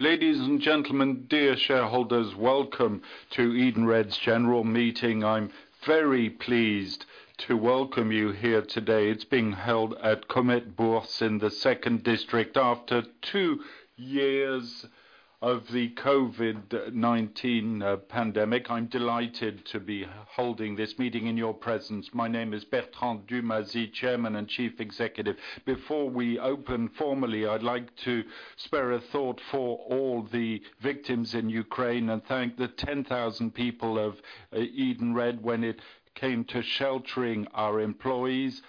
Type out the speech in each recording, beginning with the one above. Ladies and gentlemen, dear shareholders, welcome to Edenred's General Meeting. I'm very pleased to welcome you here today. It's being held at Comet Bourse in the Second District. After two years of the COVID-19 pandemic, I'm delighted to be holding this meeting in your presence. My name is Bertrand Dumazy, Chairman and Chief Executive. Before we open formally, I'd like to spare a thought for all the victims in Ukraine and thank the 10,000 people of Edenred when it came to sheltering our employees,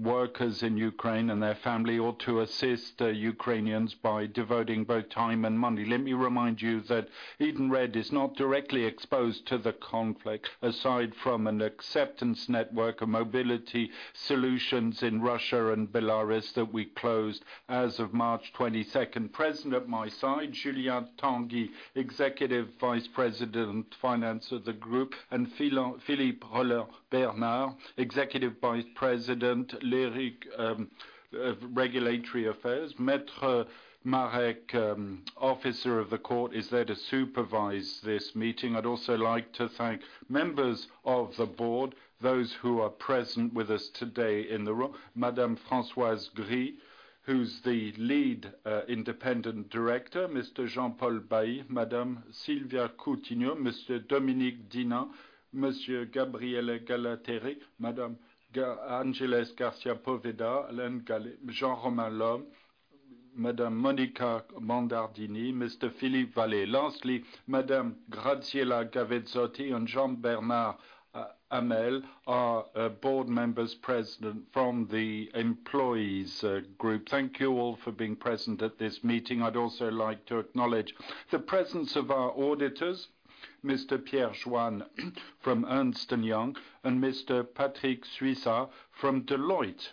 workers in Ukraine, and their family, or to assist, Ukrainians by devoting both time and money. Let me remind you that Edenred is not directly exposed to the conflict, aside from an acceptance network of mobility solutions in Russia and Belarus that we closed as of March 22nd. Present at my side, Julien Tanguy, Executive Vice President of Finance of the Group, and Philippe Relland-Bernard, Executive Vice President, Legal and Regulatory Affairs. Maitre Marek, Officer of the Court, is there to supervise this meeting. I'd also like to thank members of the board, those who are present with us today in the room. Madame Françoise Gri, who's the Lead Independent Director. Mr. Jean-Paul Bailly. Madame Sylvia Coutinho. Mr. Dominique D'Hinnin. Monsieur Gabriele Galateri di Genola. Madame Angeles Garcia-Poveda. Jean-Romain Lhomme. Madame Monica Mondardini. Mr. Philippe Vallée. Lastly, Madame Graziella Gavezotti and Jean-Bernard Hamel, our board members president from the employees group. Thank you all for being present at this meeting. I'd also like to acknowledge the presence of our auditors, Mr. Pierre Jouanne from Ernst & Young, and Mr. Patrick Suissa from Deloitte.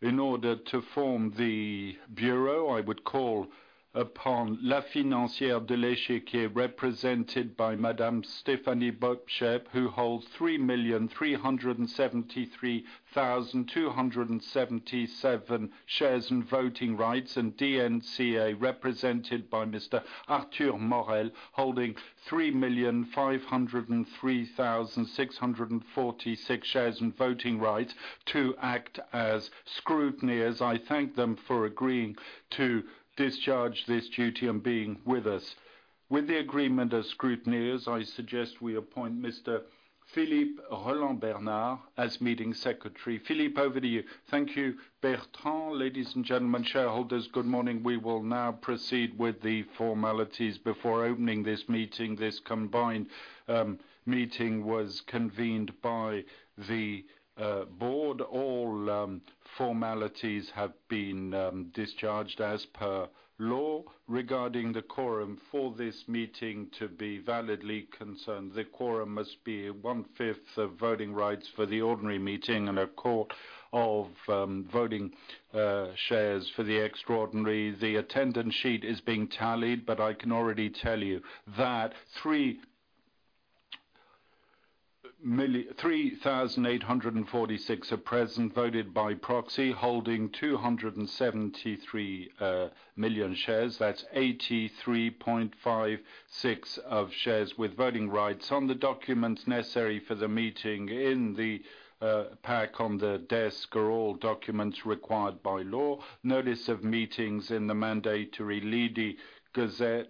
In order to form the bureau, I would call upon La Financière de l'Echiquier, represented by Madame Stéphanie Bobtcheff, who holds 3,373,277 shares and voting rights, and DNCA, represented by Mr. Arthur Morel, holding 3,503,646 shares and voting rights to act as scrutineers. I thank them for agreeing to discharge this duty and being with us. With the agreement of scrutineers, I suggest we appoint Mr. Philippe Relland-Bernard as meeting secretary. Philippe, over to you. Thank you, Bertrand. Ladies and gentlemen, shareholders, good morning. We will now proceed with the formalities before opening this meeting. This combined meeting was convened by the board. All formalities have been discharged as per law. Regarding the quorum for this meeting to be validly convened, the quorum must be one-fifth of voting rights for the ordinary meeting and of voting shares for the extraordinary. The attendance sheet is being tallied, but I can already tell you that 3,846 are present, voted by proxy, holding 273 million shares. That's 83.56% of shares with voting rights. All the documents necessary for the meeting in the pack on the desk are all documents required by law. Notice of meetings in the mandatory [LEDI]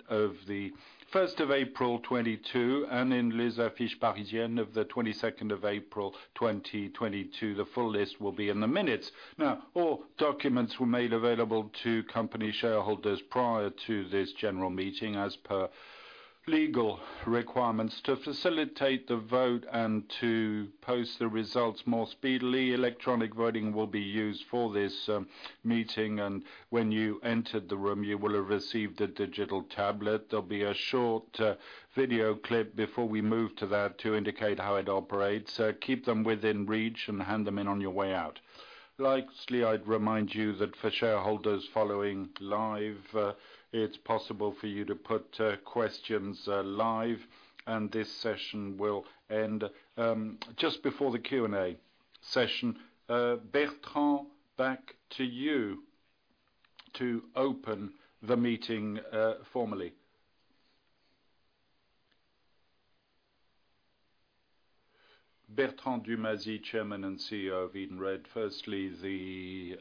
of the first of April 2022, and in Les Affiches Parisiennes of the 22nd of April 2022. The full list will be in the minutes. Now, all documents were made available to company shareholders prior to this general meeting, as per legal requirements. To facilitate the vote and to post the results more speedily, electronic voting will be used for this meeting, and when you entered the room, you will have received a digital tablet. There'll be a short video clip before we move to that to indicate how it operates. Keep them within reach and hand them in on your way out. Lastly, I'd remind you that for shareholders following live, it's possible for you to put questions live, and this session will end just before the Q&A session. Bertrand, back to you to open the meeting formally. Bertrand Dumazy, Chairman and CEO of Edenred. Firstly, the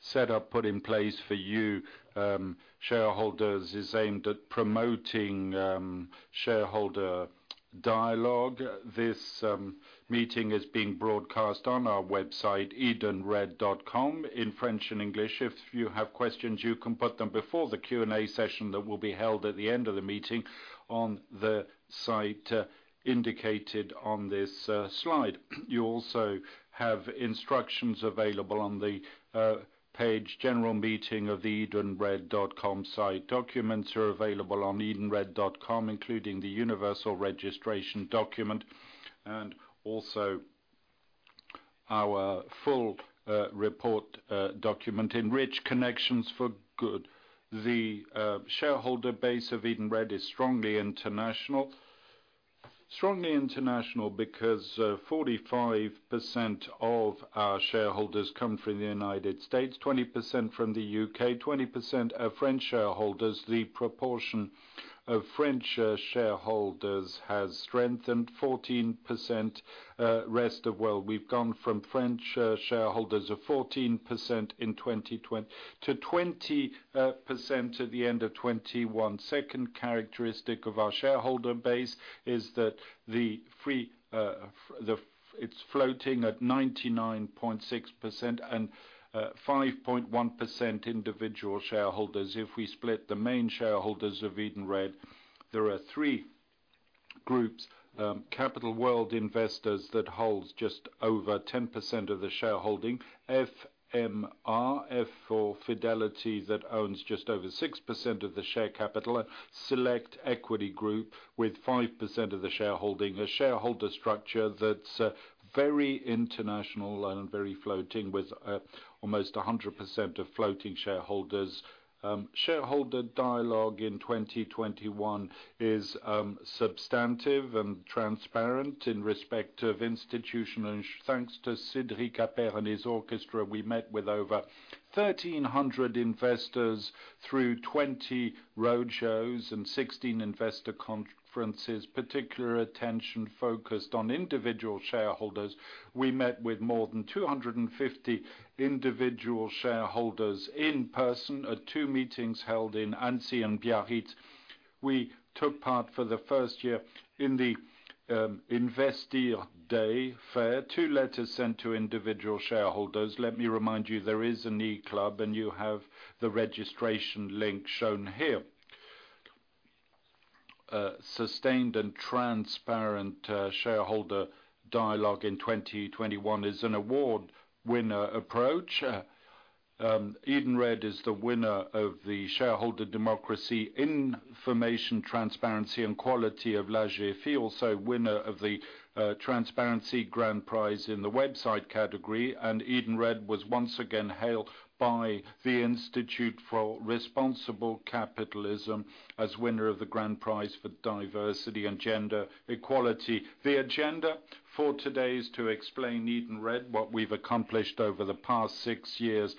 setup put in place for you shareholders is aimed at promoting shareholder dialogue. This meeting is being broadcast on our website, edenred.com, in French and English. If you have questions, you can put them before the Q&A session that will be held at the end of the meeting on the site indicated on this slide. You also have instructions available on the general meeting page of the edenred.com site. Documents are available on edenred.com, including the universal registration document and also our full report document, Enrich Connections for Good. The shareholder base of Edenred is strongly international because 45% of our shareholders come from the United States, 20% from the U.K., 20% are French shareholders. The proportion of French shareholders has strengthened. 14% rest of world. We have gone from French shareholders of 14% in 2020 to 20% at the end of 2021. Second characteristic of our shareholder base is that it's floating at 99.6% and 5.1% individual shareholders. If we split the main shareholders of Edenred, there are three groups. Capital World Investors that holds just over 10% of the shareholding. FMR, F for Fidelity, that owns just over 6% of the share capital. Select Equity Group with 5% of the shareholding. A shareholder structure that's very international and very floating with almost a 100% of floating shareholders. Shareholder dialogue in 2021 is substantive and transparent in respect of institutional. Thanks to Cédric Appert and his orchestra, we met with over 1,300 investors through 20 roadshows and 16 investor conferences. Particular attention focused on individual shareholders. We met with more than 250 individual shareholders in person at two meetings held in Annecy and Biarritz. We took part for the first year in the Investir Day fair. Two letters sent to individual shareholders. Let me remind you, there is an E-club, and you have the registration link shown here. Sustained and transparent shareholder dialogue in 2021 is an award winner approach. Edenred is the winner of the Shareholder Democracy Information Transparency and Quality of L'Agefi. Also winner of the Transparency Grand Prize in the website category. Edenred was once again hailed by the Institute for Responsible Capitalism as winner of the Grand Prize for Diversity and Gender Equality. The agenda for today is to explain Edenred, what we've accomplished over the past six years,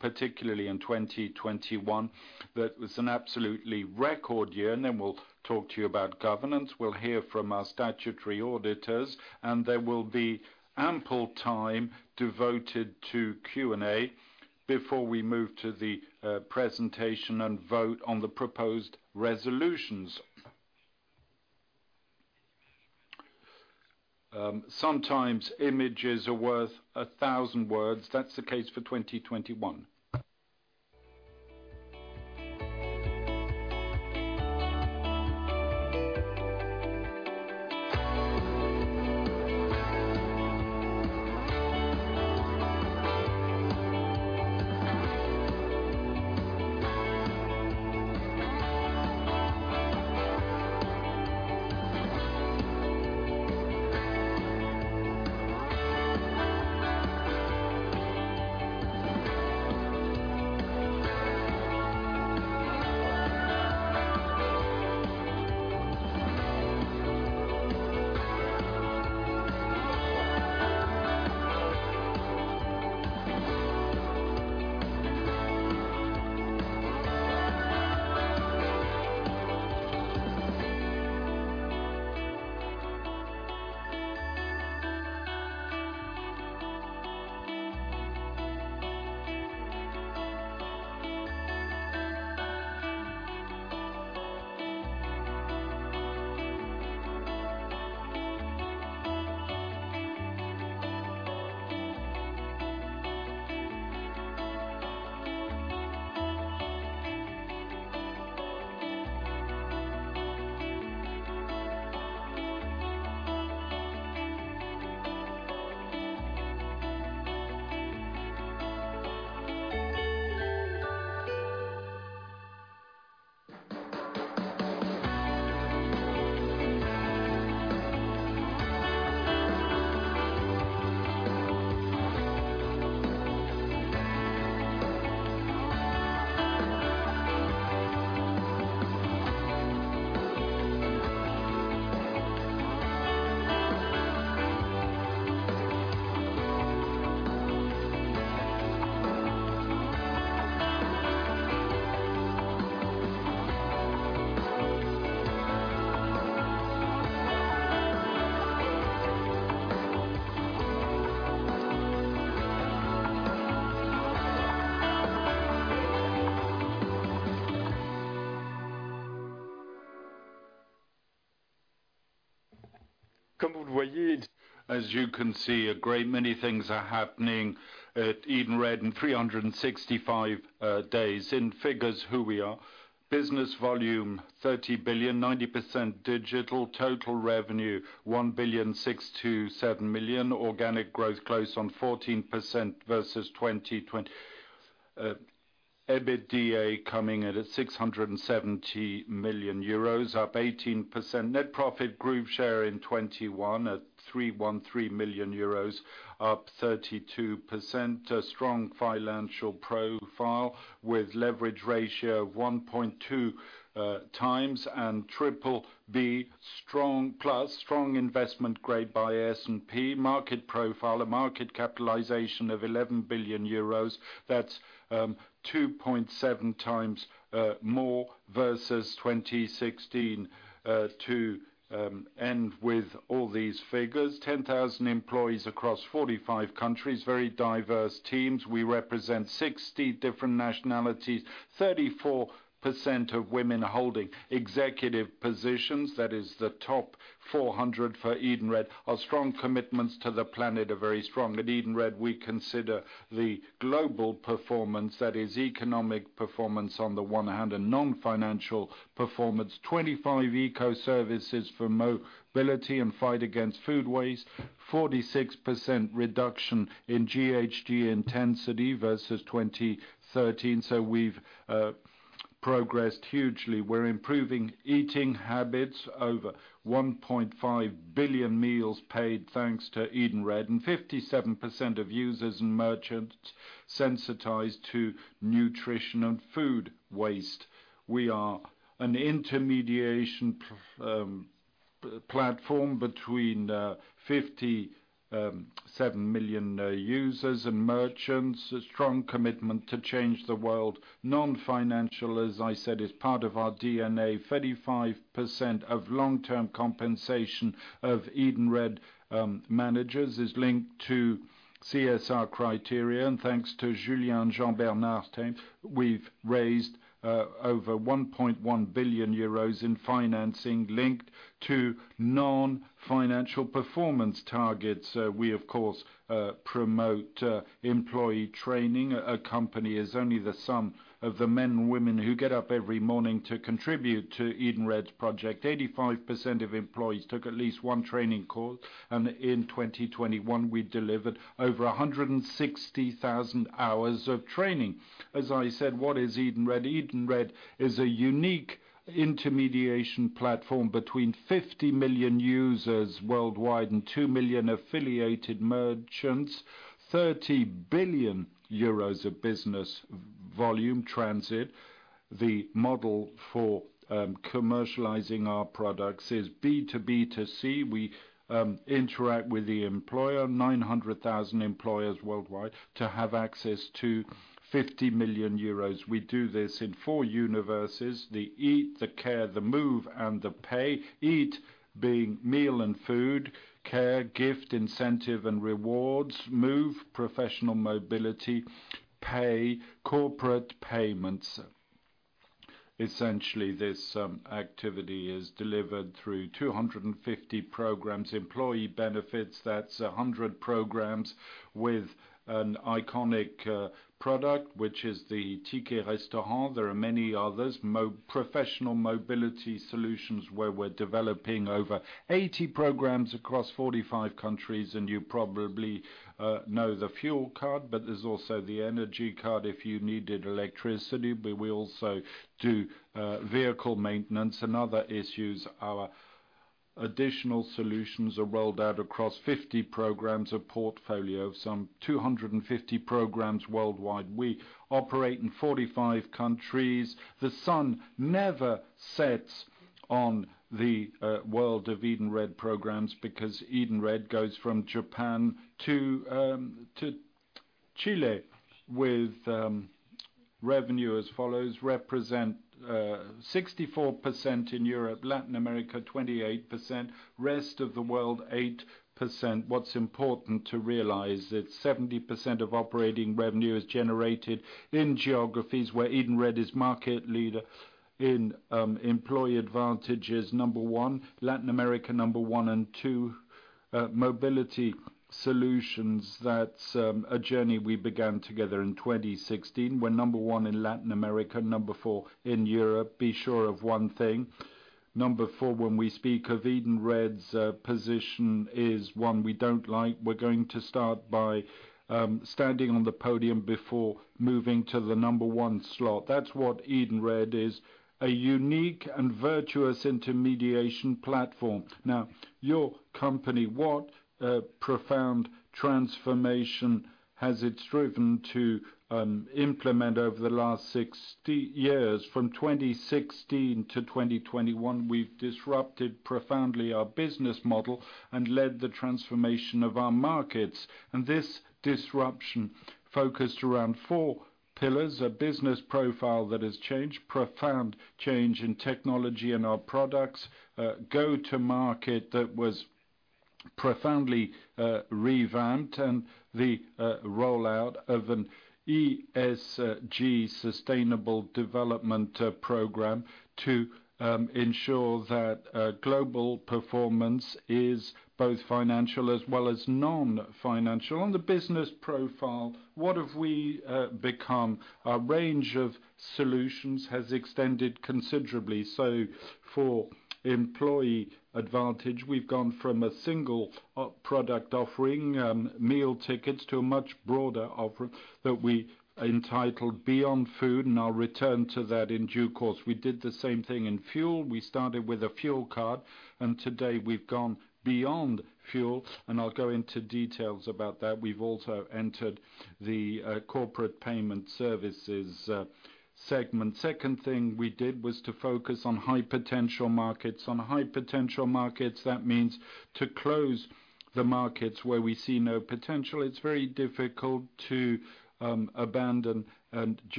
particularly in 2021. That was an absolutely record year, and then we'll talk to you about governance. We'll hear from our statutory auditors, and there will be ample time devoted to Q&A before we move to the presentation and vote on the proposed resolutions. Sometimes images are worth a thousand words. That's the case for 2021. I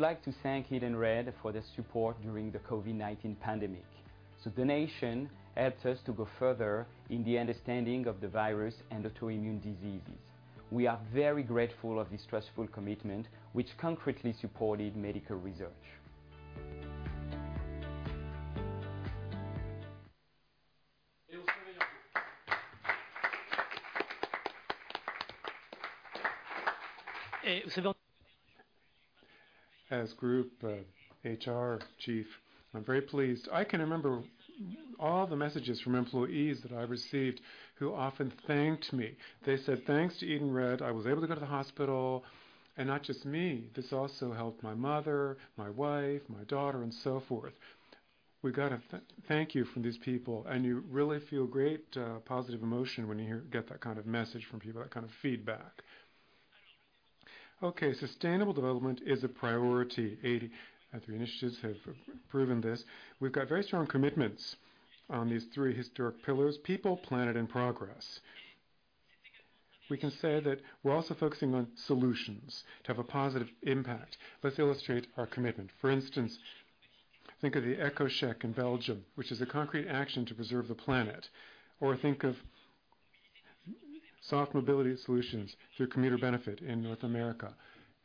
would like to thank Edenred for their support during the COVID-19 pandemic. Donation helps us to go further in the understanding of the virus and autoimmune diseases. We are very grateful of this trustful commitment which concretely supported medical research. As Group HR Chief, I'm very pleased. I can remember all the messages from employees that I received who often thanked me. They said, "Thanks to Edenred, I was able to go to the hospital. And not just me, this also helped my mother, my wife, my daughter, and so forth." We got a thank you from these people, and you really feel great positive emotion when you hear that kind of message from people, that kind of feedback. Okay. Sustainable development is a priority. 83 initiatives have proven this. We've got very strong commitments on these three historic pillars, people, planet, and progress. We can say that we're also focusing on solutions to have a positive impact. Let's illustrate our commitment. For instance, think of the Ticket EcoCheque in Belgium, which is a concrete action to preserve the planet. Think of soft mobility solutions through commuter benefit in North America.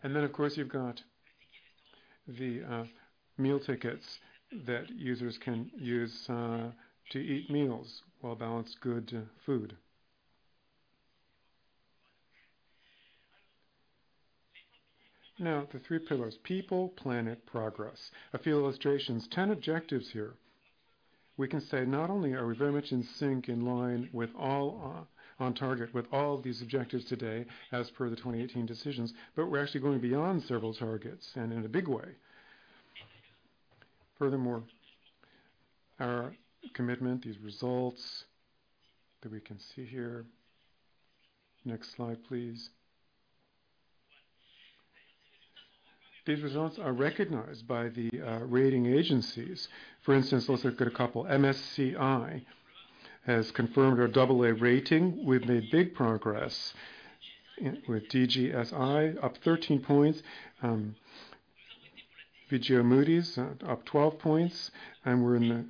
Of course, you've got the meal tickets that users can use to eat meals, well-balanced good food. Now, the three pillars, people, planet, progress. A few illustrations. 10 objectives here. We can say not only are we very much in sync, in line with all, on target with all of these objectives today as per the 2018 decisions, but we're actually going beyond several targets and in a big way. Furthermore, our commitment, these results that we can see here. Next slide, please. These results are recognized by the rating agencies. For instance, let's look at a couple. MSCI has confirmed our AA rating. We've made big progress with DJSI, up 13 points, Fitch & Moody's, up 12 points, and we're in the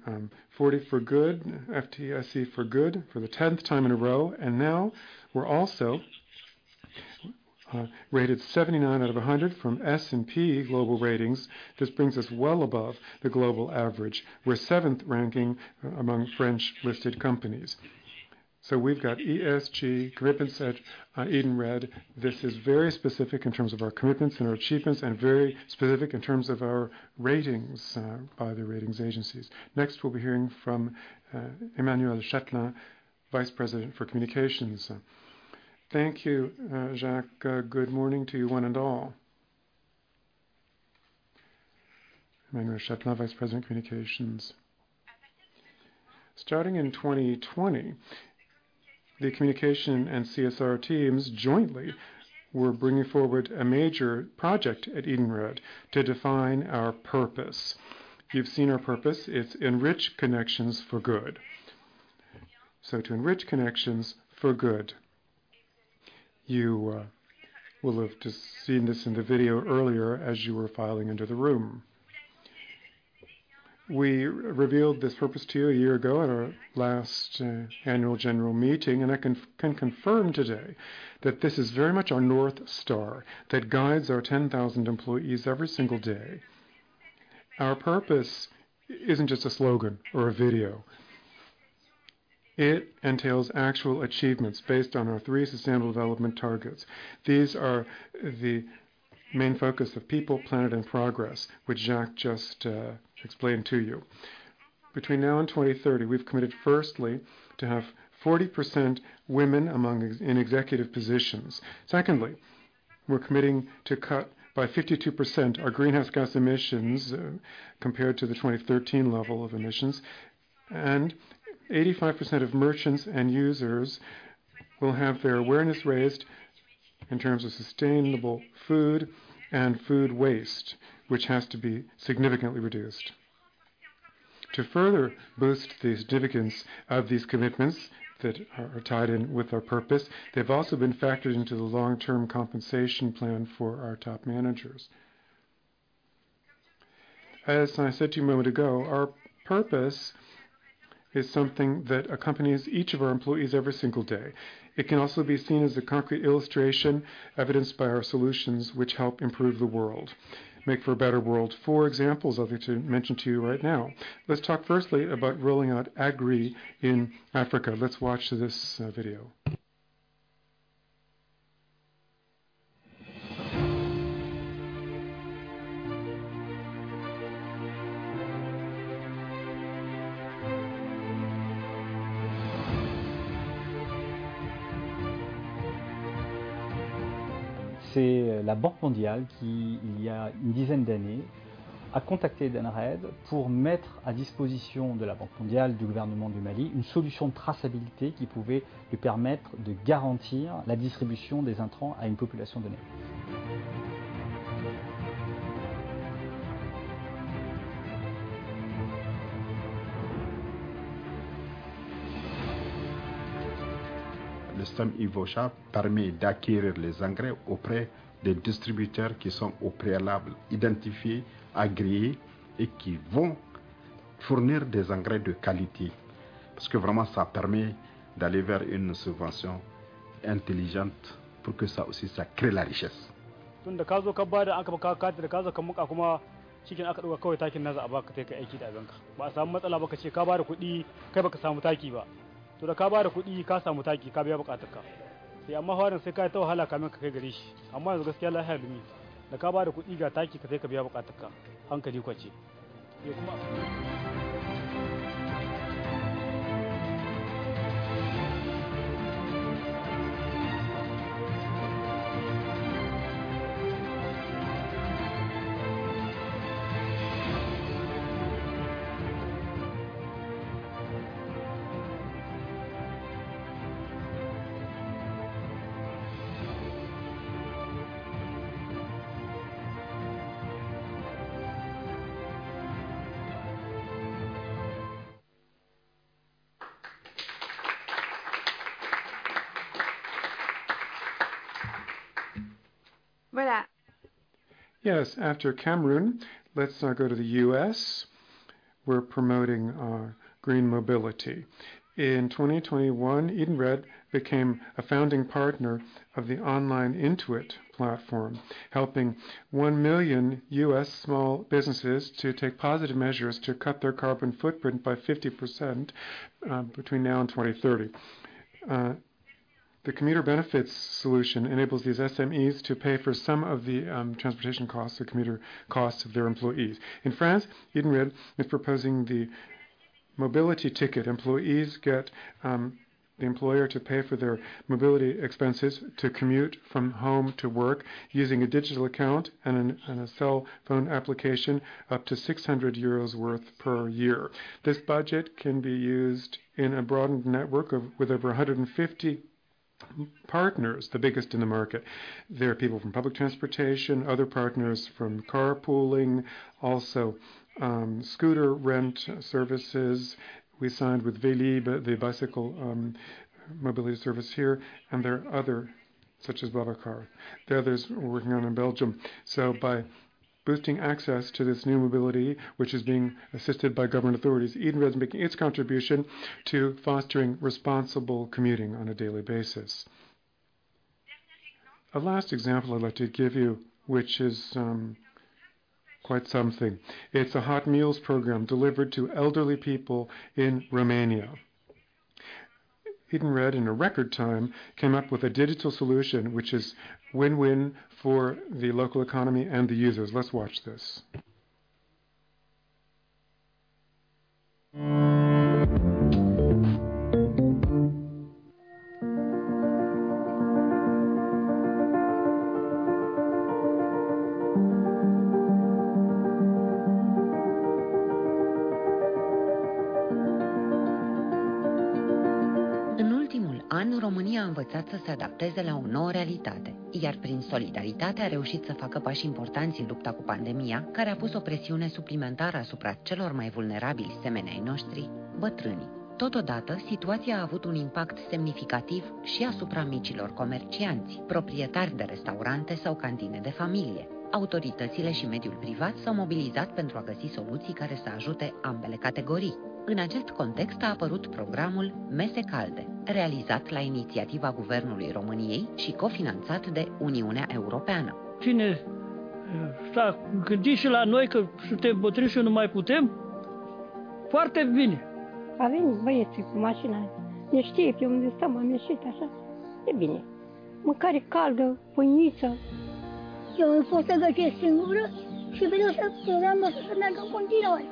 FTSE4Good for the tenth time in a row. Now we're also rated 79 out of 100 from S&P Global CSA. This brings us well above the global average. We're 7th ranking among French-listed companies. So we've got ESG, right? And set for Edenred. This is very specific in terms of our commitments and our achievements and very specific in terms of our ratings by the ratings agencies. Next, we'll be hearing from Emmanuelle Châtelain, Vice President for Communications. Thank you, Jacques. Good morning to you one and all. Emmanuelle Châtelain, Vice President, Communications. Starting in 2020, the communication and CSR teams jointly were bringing forward a major project at Edenred to define our purpose. You've seen our purpose. It's enrich connections for good. To enrich connections for good. You will have just seen this in the video earlier as you were filing into the room. We revealed this purpose to you a year ago at our last annual general meeting, and I can confirm today that this is very much our North Star that guides our 10,000 employees every single day. Our purpose isn't just a slogan or a video. It entails actual achievements based on our three sustainable development targets. These are the main focus of people, planet, and progress, which Jacques just explained to you. Between now and 2030, we've committed firstly to have 40% women among in executive positions. Secondly, we're committing to cut by 52% our greenhouse gas emissions, compared to the 2013 level of emissions, and 85% of merchants and users will have their awareness raised in terms of sustainable food and food waste, which has to be significantly reduced. To further boost the significance of these commitments that are tied in with our purpose, they've also been factored into the long-term compensation plan for our top managers. As I said to you a moment ago, our purpose is something that accompanies each of our employees every single day. It can also be seen as a concrete illustration evidenced by our solutions which help improve the world, make for a better world. Four examples I'd like to mention to you right now. Let's talk firstly about rolling out Agri in Africa. Let's watch this video. Yes, after Cameroon, let's now go to the U.S. We're promoting green mobility. In 2021, Edenred became a founding partner of the online Intuit platform, helping 1 million U.S. small businesses to take positive measures to cut their carbon footprint by 50%, between now and 2030. The commuter benefits solution enables these SMEs to pay for some of the transportation costs, the commuter costs of their employees. In France, Edenred is proposing the mobility ticket. Employees get the employer to pay for their mobility expenses to commute from home to work using a digital account and a cell phone application up to 600 euros worth per-year. This budget can be used in a broadened network with over 150 partners, the biggest in the market. There are people from public transportation, other partners from carpooling, also, scooter rent services. We signed with Vélib', the bicycle, mobility service here, and there are others, such as BlaBlaCar. There are others we're working on in Belgium. By boosting access to this new mobility, which is being assisted by government authorities, Edenred is making its contribution to fostering responsible commuting on a daily basis. A last example I'd like to give you, which is quite something. It's a hot meals program delivered to elderly people in Romania. Edenred, in a record time, came up with a digital solution which is win-win for the local economy and the users. Let's watch this. Autoritățile și mediul privat s-au mobilizat pentru a găsi soluții care să ajute ambele categorii. În acest context a apărut programul Mese Calde, realizat la inițiativa Guvernului României și cofinanțat de Uniunea Europeană. Cine s-a gândit și la noi că suntem bătrâni și nu mai putem, foarte bine. A venit băieții cu mașina, ne știe pe unde stăm, am ieșit așa. E bine. Mâncare caldă, pâiniță. Eu nu pot să gătesc singură și vreau să meargă în continuare.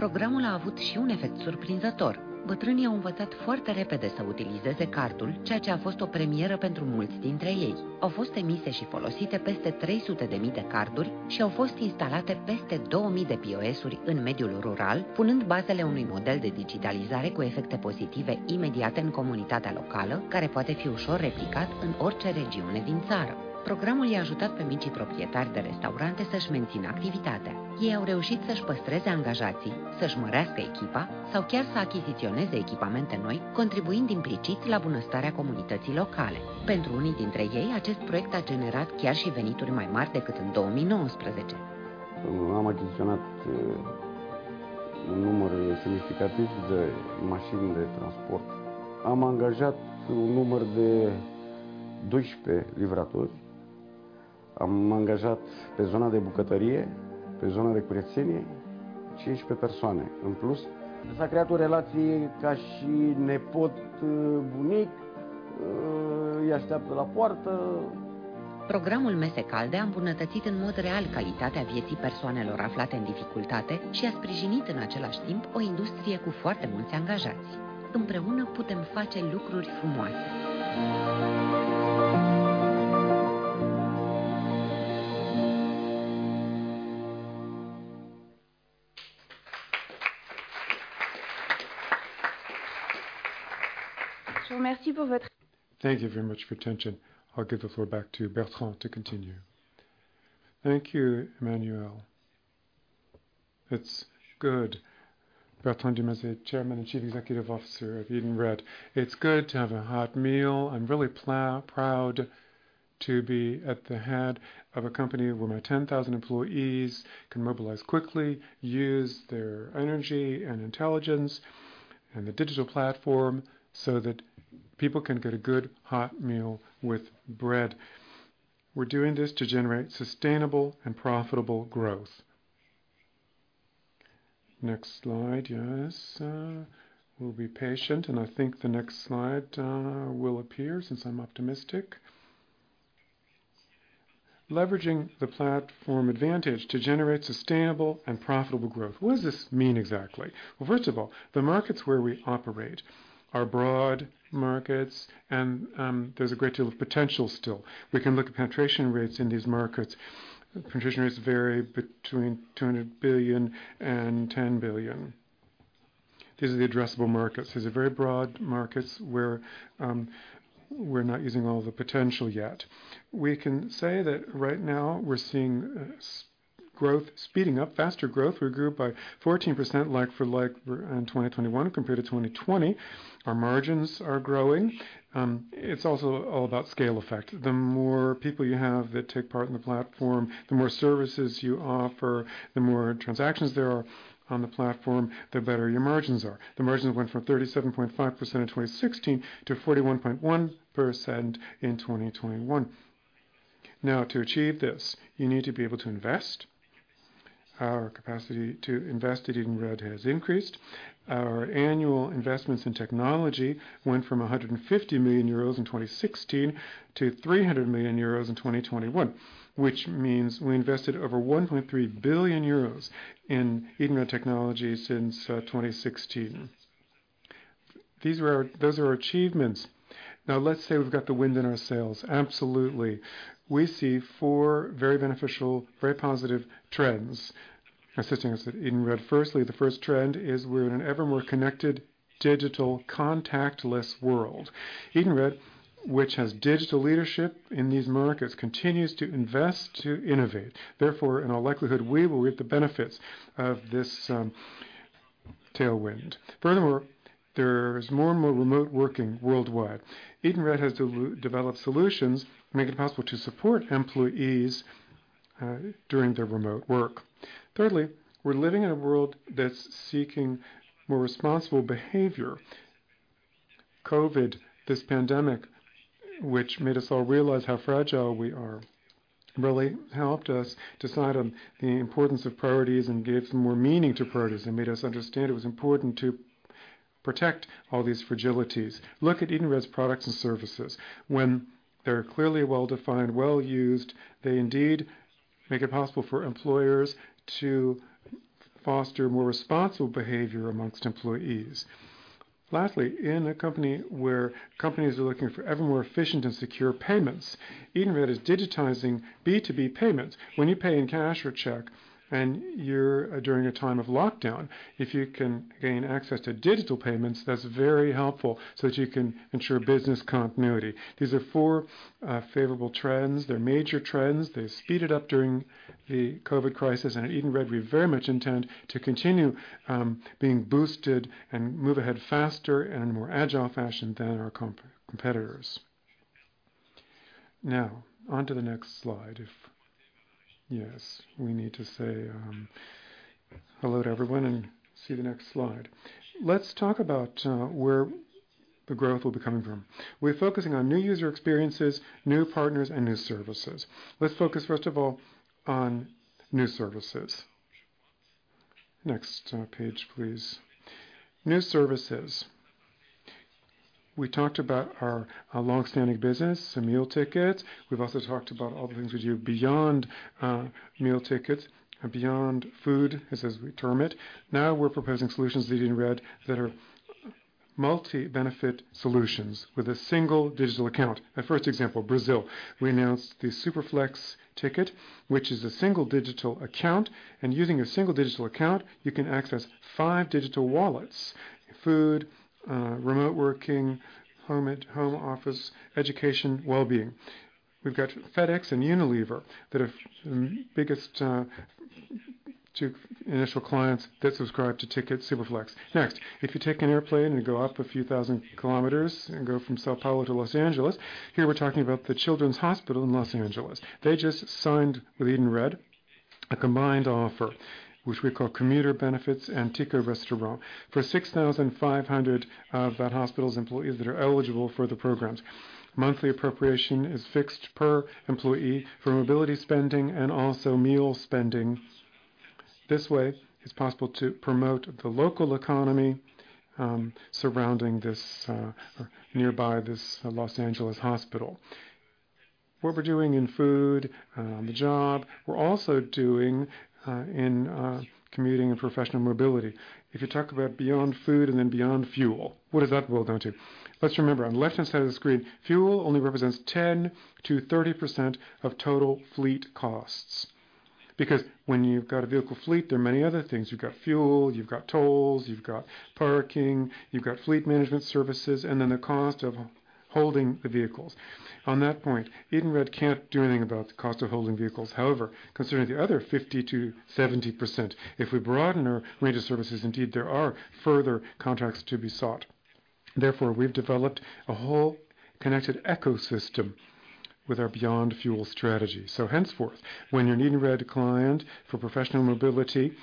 Programul a avut și un efect surprinzător. Bătrânii au învățat foarte repede să utilizeze cardul, ceea ce a fost o premieră pentru mulți dintre ei. Au fost emise și folosite peste 300,000 de carduri și au fost instalate peste 2,000 de POS-uri în mediul rural, punând bazele unui model de digitalizare cu efecte pozitive imediate în comunitatea locală, care poate fi ușor replicat în orice regiune din țară. Programul i-a ajutat pe micii proprietari de restaurante să-și mențină activitatea. Ei au reușit să-și păstreze angajații, să-și mărească echipa sau chiar să achiziționeze echipamente noi, contribuind implicit la bunăstarea comunității locale. Pentru unii dintre ei, acest proiect a generat chiar și venituri mai mari decât în 2019. Am achiziționat un număr semnificativ de mașini de transport. Am angajat un număr de 12 livratori. Am angajat pe zona de bucătărie, pe zona de curățenie 15 persoane în plus. S-a creat o relație ca și nepot-bunic, îi așteaptă la poartă. Programul Mese Calde a îmbunătățit în mod real calitatea vieții persoanelor aflate în dificultate și a sprijinit în același timp o industrie cu foarte mulți angajați. Împreună putem face lucruri frumoase. Thank you very much for your attention. I'll give the floor back to Bertrand to continue. Thank you, Emmanuelle. It's good. Bertrand Dumazy, Chairman and Chief Executive Officer of Edenred. It's good to have a hot meal. I'm really proud to be at the head of a company where my 10,000 employees can mobilize quickly, use their energy and intelligence and the digital platform so that people can get a good hot meal with bread. We're doing this to generate sustainable and profitable growth. Next slide. Yes, we'll be patient, and I think the next slide will appear since I'm optimistic. Leveraging the platform advantage to generate sustainable and profitable growth. What does this mean exactly? Well, first of all, the markets where we operate are broad markets, and there's a great deal of potential still. We can look at penetration rates in these markets. Penetration rates vary between 200 billion-10 billion. These are the addressable markets. These are very broad markets where we're not using all the potential yet. We can say that right now we're seeing strong growth speeding up, faster growth. We grew by 14% like for like in 2021 compared to 2020. Our margins are growing. It's also all about scale effect. The more people you have that take part in the platform, the more services you offer, the more transactions there are on the platform, the better your margins are. The margins went from 37.5% in 2016 to 41.1% in 2021. Now, to achieve this, you need to be able to invest. Our capacity to invest at Edenred has increased. Our annual investments in technology went from 150 million euros in 2016 to 300 million euros in 2021, which means we invested over 1.3 billion euros in Edenred technology since 2016. Those are our achievements. Now, let's say we've got the wind in our sails. Absolutely. We see four very beneficial, very positive trends assisting us at Edenred. Firstly, the first trend is we're in an ever more connected digital contactless world. Edenred, which has digital leadership in these markets, continues to invest to innovate. Therefore, in all likelihood, we will reap the benefits of this tailwind. Furthermore, there's more and more remote working worldwide. Edenred has developed solutions to make it possible to support employees during their remote work. Thirdly, we're living in a world that's seeking more responsible behavior. COVID, this pandemic, which made us all realize how fragile we are, really helped us decide on the importance of priorities and gave some more meaning to priorities, and made us understand it was important to protect all these fragilities. Look at Edenred's products and services. When they're clearly well-defined, well-used, they indeed make it possible for employers to foster more responsible behavior amongst employees. Lastly, in a company where companies are looking for ever more efficient and secure payments, Edenred is digitizing B2B payments. When you pay in cash or check and you're during a time of lockdown, if you can gain access to digital payments, that's very helpful, so that you can ensure business continuity. These are four favorable trends. They're major trends. They speeded up during the COVID crisis. At Edenred, we very much intend to continue being boosted and move ahead faster in a more agile fashion than our competitors. Now onto the next slide. Yes, we need to say hello to everyone and see the next slide. Let's talk about where the growth will be coming from. We're focusing on new user experiences, new partners, and new services. Let's focus first of all on new services. Next, page, please. New services. We talked about our long-standing business, the meal ticket. We've also talked about all the things we do beyond meal tickets and beyond food, as we term it. Now we're proposing solutions at Edenred that are multi-benefit solutions with a single digital account. Our first example, Brazil. We announced the Ticket Superflex, which is a single digital account, and using a single digital account, you can access five digital wallets, food, remote working, home office, education, well-being. We've got FedEx and Unilever that are biggest two initial clients that subscribe to Ticket Superflex. Next, if you take an airplane and go up a few thousand kilometers and go from São Paulo to Los Angeles, here we're talking about the Children's Hospital Los Angeles. They just signed with Edenred a combined offer, which we call Commuter Benefits and Ticket Restaurant for 6,500 of that hospital's employees that are eligible for the programs. Monthly appropriation is fixed per employee for mobility spending and also meal spending. This way, it's possible to promote the local economy, surrounding this or nearby this Los Angeles hospital. What we're doing in food, on the job, we're also doing in commuting and professional mobility. If you talk about beyond food and then beyond fuel, what does that boil down to? Let's remember, on the left-hand side of the screen, fuel only represents 10%-30% of total fleet costs. Because when you've got a vehicle fleet, there are many other things. You've got fuel, you've got tolls, you've got parking, you've got fleet management services, and then the cost of holding the vehicles. On that point, Edenred can't do anything about the cost of holding vehicles. However, considering the other 50%-70%, if we broaden our range of services, indeed there are further contracts to be sought. Therefore, we've developed a whole connected ecosystem with our Beyond Fuel strategy. Henceforth, when you're an Edenred client for professional mobility,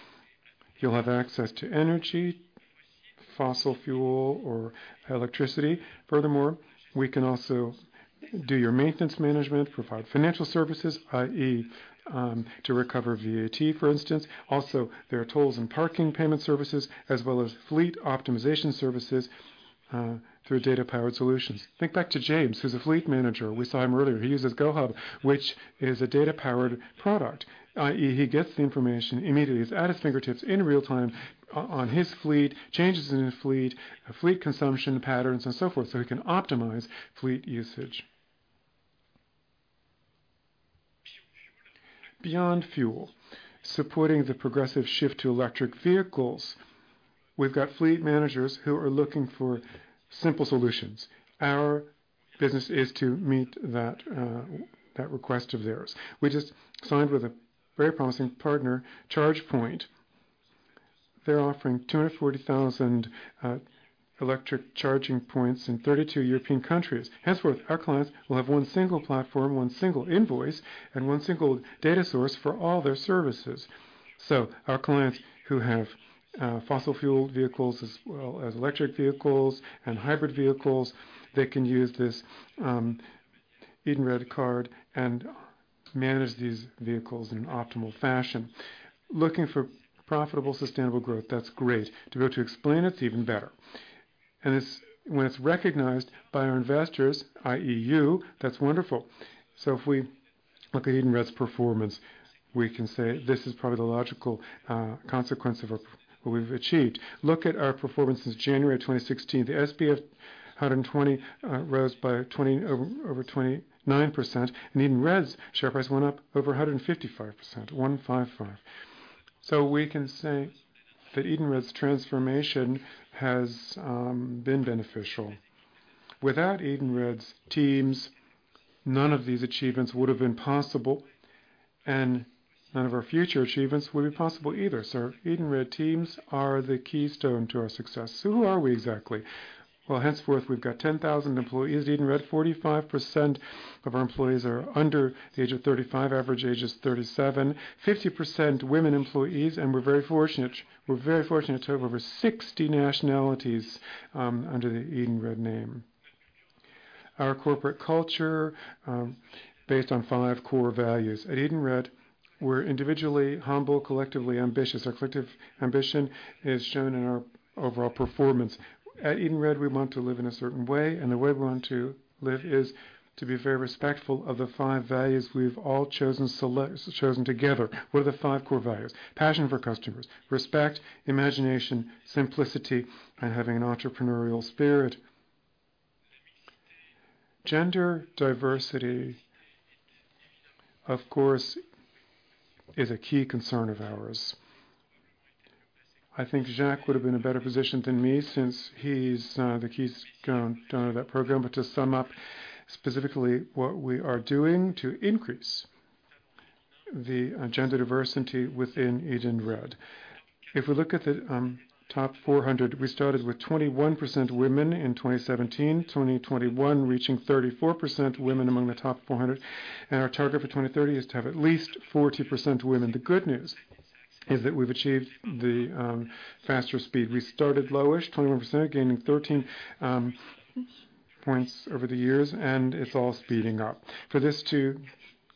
you'll have access to energy, fossil fuel or electricity. Furthermore, we can also do your maintenance management, provide financial services, i.e., to recover VAT, for instance. Also, there are tolls and parking payment services, as well as fleet optimization services through data-powered solutions. Think back to James, who's a fleet manager. We saw him earlier. He uses GoHub, which is a data-powered product, i.e., he gets the information immediately. It's at his fingertips in real time on his fleet, changes in his fleet consumption patterns, and so forth, so he can optimize fleet usage. Beyond fuel. Supporting the progressive shift to electric vehicles. We've got fleet managers who are looking for simple solutions. Our business is to meet that request of theirs. We just signed with a very promising partner, ChargePoint. They're offering 240,000 electric charging points in 32 European countries. Henceforth, our clients will have one single platform, one single invoice, and one single data source for all their services. Our clients who have fossil fuel vehicles as well as electric vehicles and hybrid vehicles, they can use this Edenred card and manage these vehicles in an optimal fashion. Looking for profitable, sustainable growth. That's great. To be able to explain it's even better. It's when it's recognized by our investors, i.e., you, that's wonderful. If we look at Edenred's performance, we can say this is probably the logical consequence of what we've achieved. Look at our performance since January of 2016. The SBF 120 rose by 20. Over 29%, and Edenred's share price went up over 155%, 155. We can say that Edenred's transformation has been beneficial. Without Edenred's teams, none of these achievements would have been possible, and none of our future achievements would be possible either. Edenred teams are the keystone to our success. Who are we exactly? Well, henceforth, we've got 10,000 employees at Edenred. 45% of our employees are under the age of 35. Average age is 37. 50% women employees, and we're very fortunate to have over 60 nationalities under the Edenred name. Our corporate culture, based on five core values. At Edenred, we're individually humble, collectively ambitious. Our collective ambition is shown in our overall performance. At Edenred, we want to live in a certain way, and the way we want to live is to be very respectful of the five values we've all chosen together. What are the five core values? Passion for customers, respect, imagination, simplicity, and having an entrepreneurial spirit. Gender diversity, of course, is a key concern of ours. I think Jacques would have been in a better position than me since he's the keystone of that program. To sum up specifically what we are doing to increase the gender diversity within Edenred. If we look at the top 400, we started with 21% women in 2017. 2021 reaching 34% women among the top 400. Our target for 2030 is to have at least 40% women. The good news is that we've achieved the faster speed. We started low-ish, 21%, gaining 13 points over the years, and it's all speeding up. For this to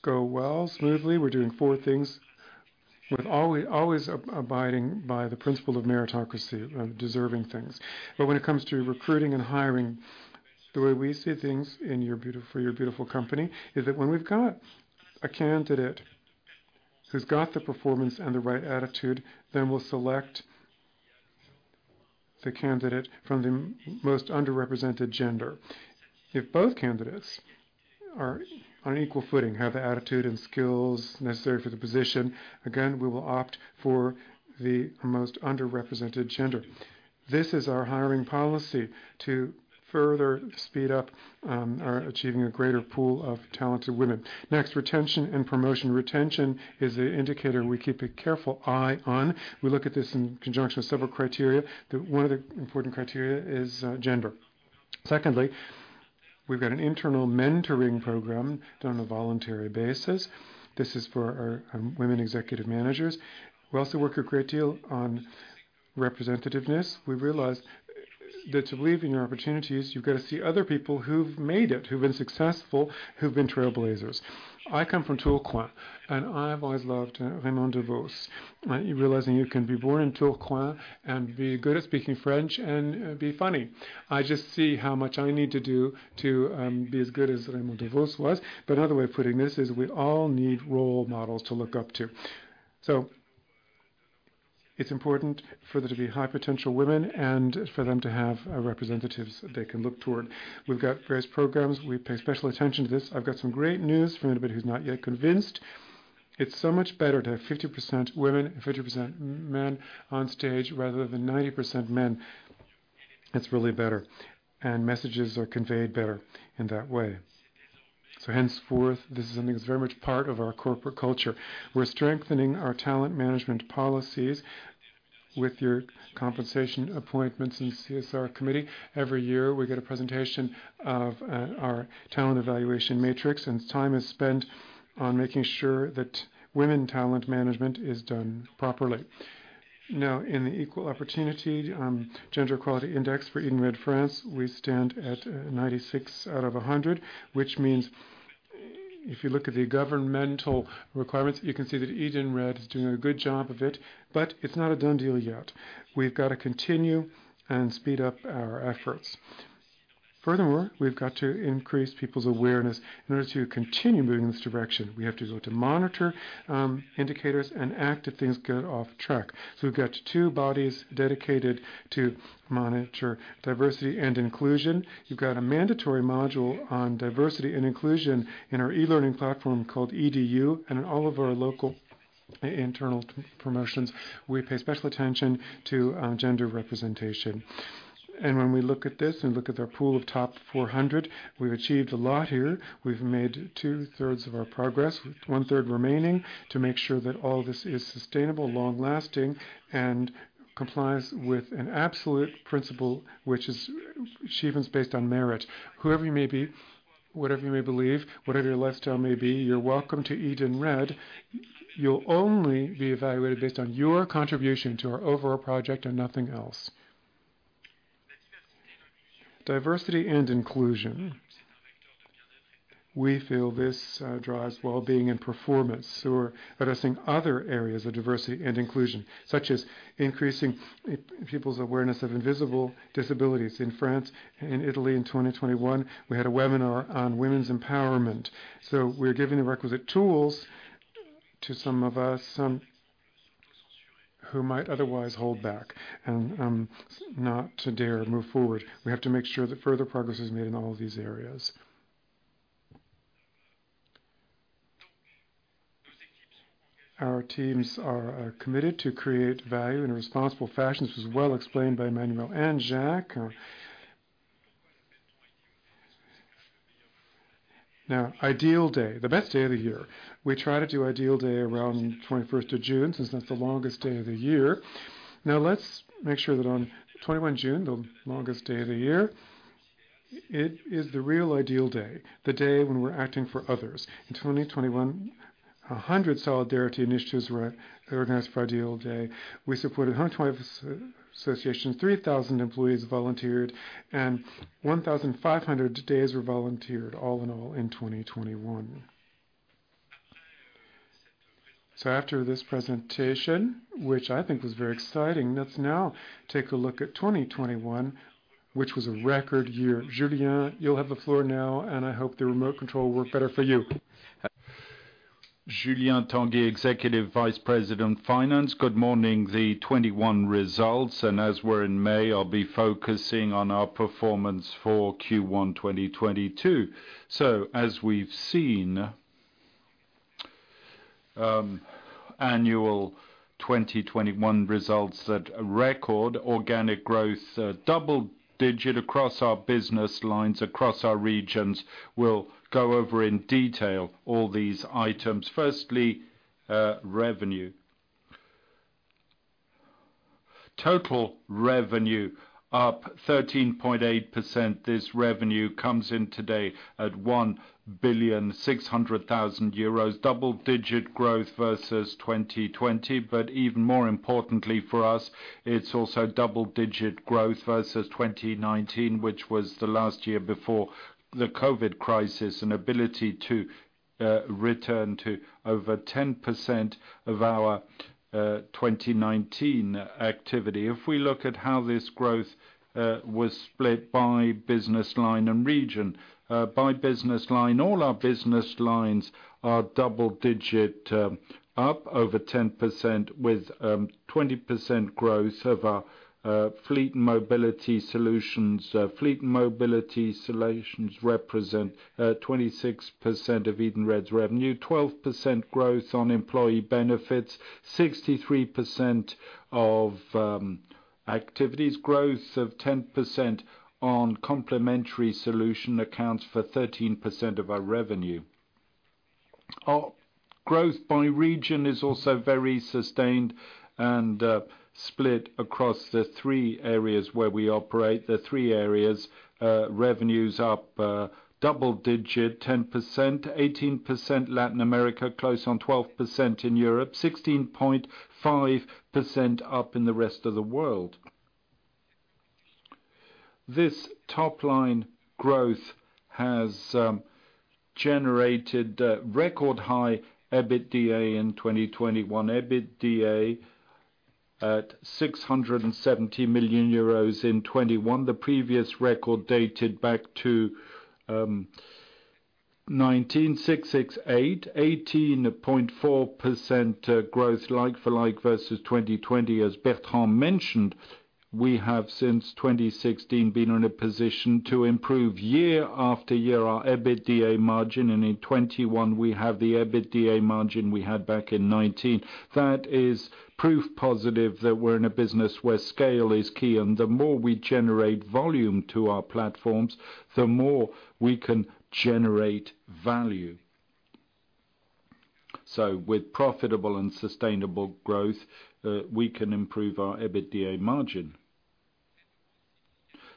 go well smoothly, we're doing four things with always abiding by the principle of meritocracy, of deserving things. When it comes to recruiting and hiring, the way we see things in your beautiful company, is that when we've got a candidate who's got the performance and the right attitude, then we'll select the candidate from the most underrepresented gender. If both candidates are on equal footing, have the attitude and skills necessary for the position, again, we will opt for the most underrepresented gender. This is our hiring policy to further speed up our achieving a greater pool of talented women. Next, retention and promotion. Retention is an indicator we keep a careful eye on. We look at this in conjunction with several criteria. The one of the important criteria is gender. Secondly, we've got an internal mentoring program done on a voluntary basis. This is for our women executive managers. We also work a great deal on representativeness. We realize that to believe in your opportunities, you've got to see other people who've made it, who've been successful, who've been trailblazers. I come from Tourcoing, and I've always loved Raymond Devos. You realizing you can be born in Tourcoing and be good at speaking French and be funny. I just see how much I need to do to be as good as Raymond Devos was. Another way of putting this is we all need role models to look up to. It's important for there to be high potential women and for them to have representatives they can look toward. We've got various programs. We pay special attention to this. I've got some great news for anybody who's not yet convinced. It's so much better to have 50% women and 50% men on stage rather than 90% men. It's really better, and messages are conveyed better in that way. Henceforth, this is something that's very much part of our corporate culture. We're strengthening our talent management policies with our Compensation, Appointments and CSR Committee. Every year, we get a presentation of our talent evaluation matrix, and time is spent on making sure that women talent management is done properly. Now, in the Equal Opportunity, Gender Equality Index for Edenred France, we stand at 96 out of 100, which means if you look at the governmental requirements, you can see that Edenred is doing a good job of it, but it's not a done deal yet. We've got to continue and speed up our efforts. Furthermore, we've got to increase people's awareness in order to continue moving in this direction. We have to monitor indicators and act if things get off track. We've got two bodies dedicated to monitor diversity and inclusion. You've got a mandatory module on diversity and inclusion in our e-learning platform called EDU. In all of our local and internal promotions, we pay special attention to gender representation. When we look at this and look at the pool of top 400, we've achieved a lot here. We've made two-thirds of our progress, with one-third remaining, to make sure that all this is sustainable, long-lasting, and complies with an absolute principle which is achievements based on merit. Whoever you may be, whatever you may believe, whatever your lifestyle may be, you're welcome to Edenred. You'll only be evaluated based on your contribution to our overall project and nothing else. Diversity and inclusion. We feel this drives wellbeing and performance. We're addressing other areas of diversity and inclusion, such as increasing people's awareness of invisible disabilities. In France and Italy in 2021, we had a webinar on women's empowerment. We're giving the requisite tools to some of us, some who might otherwise hold back and not to dare move forward. We have to make sure that further progress is made in all of these areas. Our teams are committed to create value in a responsible fashion. This was well explained by Emmanuelle and Jacques. Now, Ideal Day, the best day of the year. We try to do Ideal Day around 21st of June, since that's the longest day of the year. Now, let's make sure that on 21 June, the longest day of the year, it is the real Ideal Day, the day when we're acting for others. In 2021, 100 solidarity initiatives were organized for Ideal Day. We supported 120 associations, 3,000 employees volunteered, and 1,500 days were volunteered all in all in 2021. After this presentation, which I think was very exciting, let's now take a look at 2021, which was a record year. Julien, you'll have the floor now, and I hope the remote control worked better for you. Julien Tanguy, Executive Vice President, Finance. Good morning. 2021 results, as we're in May, I'll be focusing on our performance for Q1 2022. As we've seen, annual 2021 results that record organic growth, double-digit across our business lines, across our regions. We'll go over in detail all these items. Firstly, revenue. Total revenue up 13.8%. This revenue comes in today at 1.6 billion. Double-digit growth versus 2020. Even more importantly for us, it's also double-digit growth versus 2019, which was the last year before the COVID crisis, an ability to return to over 10% of our 2019 activity. If we look at how this growth was split by business line and region. By business line, all our business lines are double-digit up over 10% with 20% growth of our fleet mobility solutions. Fleet mobility solutions represent 26% of Edenred's revenue. 12% growth on employee benefits, 63% of activities. Growth of 10% on complementary solutions accounts for 13% of our revenue. Our growth by region is also very sustained and split across the three areas where we operate. The three areas, revenue is up double-digit 10%, 18% Latin America, close to 12% in Europe, 16.5% up in the rest of the world. This top-line growth has generated record-high EBITDA in 2021. EBITDA at 670 million euros in 2021. The previous record dated back to 1968. 18.4% growth like for like versus 2020. As Bertrand mentioned, we have since 2016 been in a position to improve year-after-year our EBITDA margin, and in 2021 we have the EBITDA margin we had back in 2019. That is proof positive that we're in a business where scale is key and the more we generate volume to our platforms, the more we can generate value. With profitable and sustainable growth, we can improve our EBITDA margin.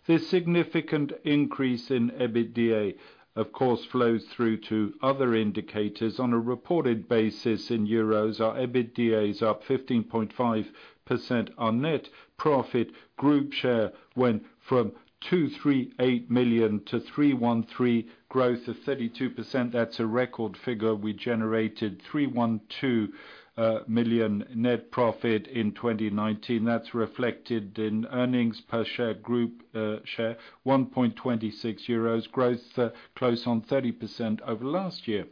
This significant increase in EBITDA, of course, flows through to other indicators. On a reported basis in euros, our EBITDA is up 15.5%. Our net profit group share went from 238 million to 313 million, growth of 32%. That's a record figure. We generated 312 million net profit in 2019. That's reflected in earnings per share, Group share, 1.26 euros. Growth close on 30% over last year.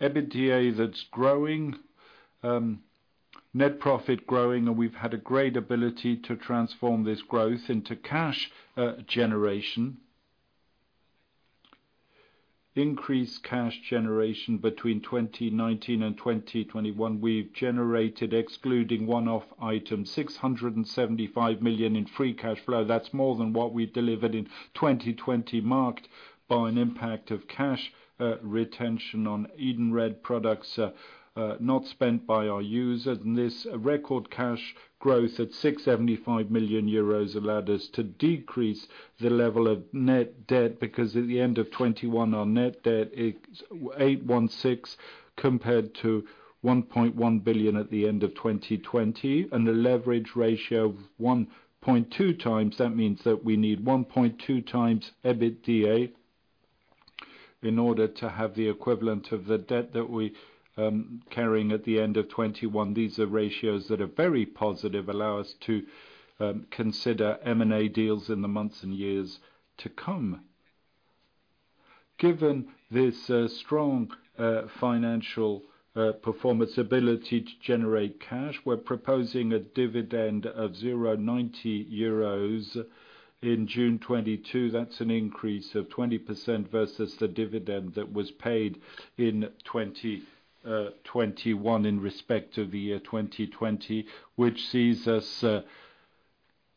EBITDA that's growing, net profit growing, and we've had a great ability to transform this growth into cash generation. Increased cash generation between 2019-2021. We've generated, excluding one-off items, 675 million in free cash flow. That's more than what we delivered in 2020 marked by an impact of cash retention on Edenred products not spent by our users. This record cash growth at 675 million euros allowed us to decrease the level of net debt because at the end of 2021, our net debt is 816 million compared to 1.1 billion at the end of 2020. The leverage ratio of 1.2x, that means that we need 1.2x EBITDA in order to have the equivalent of the debt that we carrying at the end of 2021. These are ratios that are very positive, allow us to consider M&A deals in the months and years to come. Given this strong financial performance ability to generate cash, we're proposing a dividend of 0.90 euros in June 2022. That's an increase of 20% versus the dividend that was paid in 2021 in respect to the year 2020, which sees us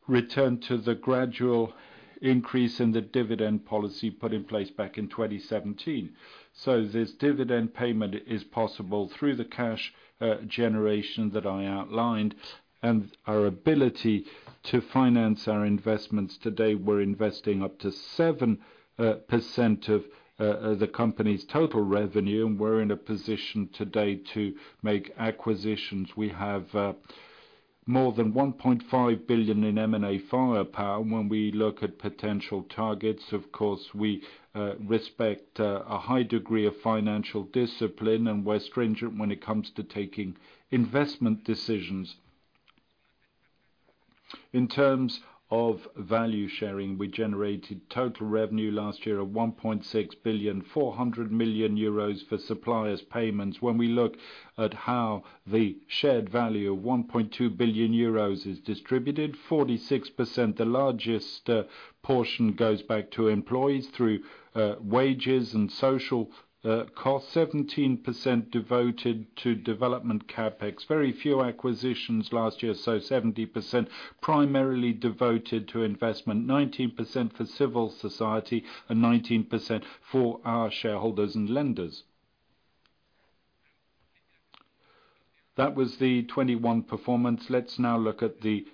return to the gradual increase in the dividend policy put in place back in 2017. This dividend payment is possible through the cash generation that I outlined and our ability to finance our investments. Today, we're investing up to 7% of the company's total revenue, and we're in a position today to make acquisitions. We have more than 1.5 billion in M&A firepower. When we look at potential targets, of course, we respect a high degree of financial discipline, and we're stringent when it comes to taking investment decisions. In terms of value sharing, we generated total revenue last year of 1.64 billion for suppliers payments. When we look at how the shared value of 1.2 billion euros is distributed, 46%, the largest portion goes back to employees through wages and social costs. 17% devoted to development CapEx. Very few acquisitions last year, so 70% primarily devoted to investment. 19% for civil society and 19% for our shareholders and lenders. That was the 2021 performance. Let's now look at the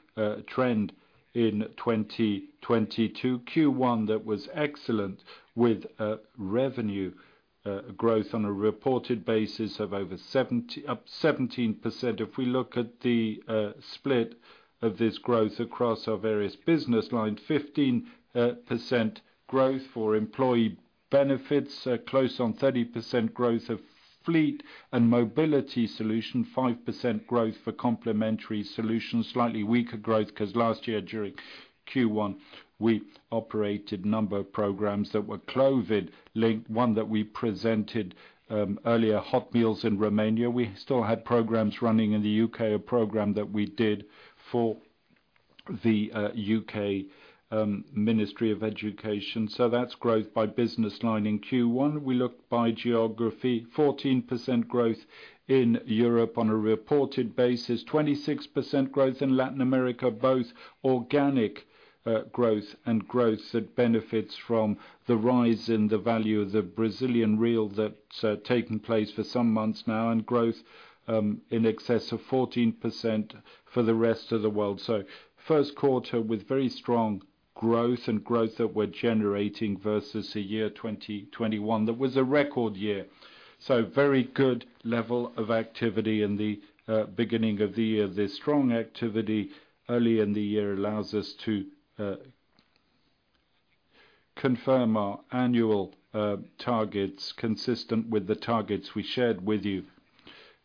trend in 2022. Q1 that was excellent with revenue growth on a reported basis of over 17%. If we look at the split of this growth across our various business lines, 15% growth for employee benefits, close on 30% growth of fleet and mobility solution, 5% growth for complementary solutions. Slightly weaker growth 'cause last year during Q1, we operated a number of programs that were COVID linked, one that we presented earlier, Hot Meals in Romania. We still had programs running in the U.K., a program that we did for the U.K. Ministry of Education. That's growth by business line in Q1. We look by geography, 14% growth in Europe on a reported basis, 26% growth in Latin America, both organic growth and growth that benefits from the rise in the value of the Brazilian real that's taken place for some months now, and growth in excess of 14% for the rest of the world. First quarter with very strong growth and growth that we're generating versus the year 2021. That was a record year. Very good level of activity in the beginning of the year. This strong activity early in the year allows us to confirm our annual targets consistent with the targets we shared with you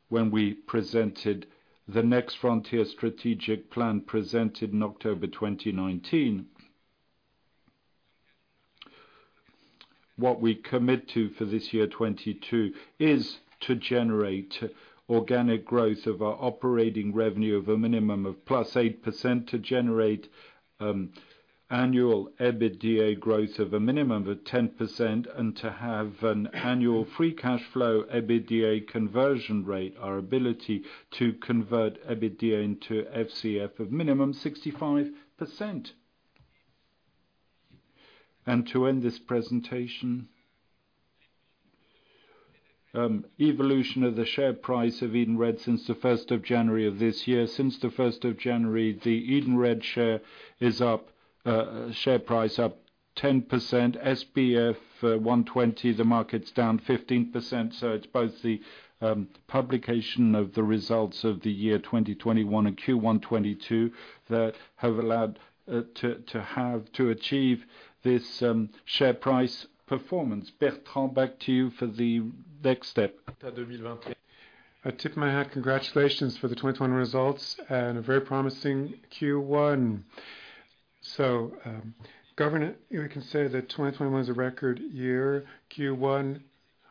when we presented the Next Frontier strategic plan presented in October 2019. What we commit to for this year 2022 is to generate organic growth of our operating revenue of a minimum of +8%, to generate annual EBITDA growth of a minimum of 10%, and to have an annual free cash flow EBITDA conversion rate, our ability to convert EBITDA into FCF of minimum 65%. To end this presentation, evolution of the share price of Edenred since the 1st of January of this year. Since the 1st of January, the Edenred share is up, share price up 10%, SBF 120, the market's down 15%. It's both the publication of the results of the year 2021 and Q1 2022 that have allowed to achieve this share price performance. Bertrand, back to you for the next step. Congratulations for the 2021 results and a very promising Q1. Governance, we can say that 2021 is a record year, Q1,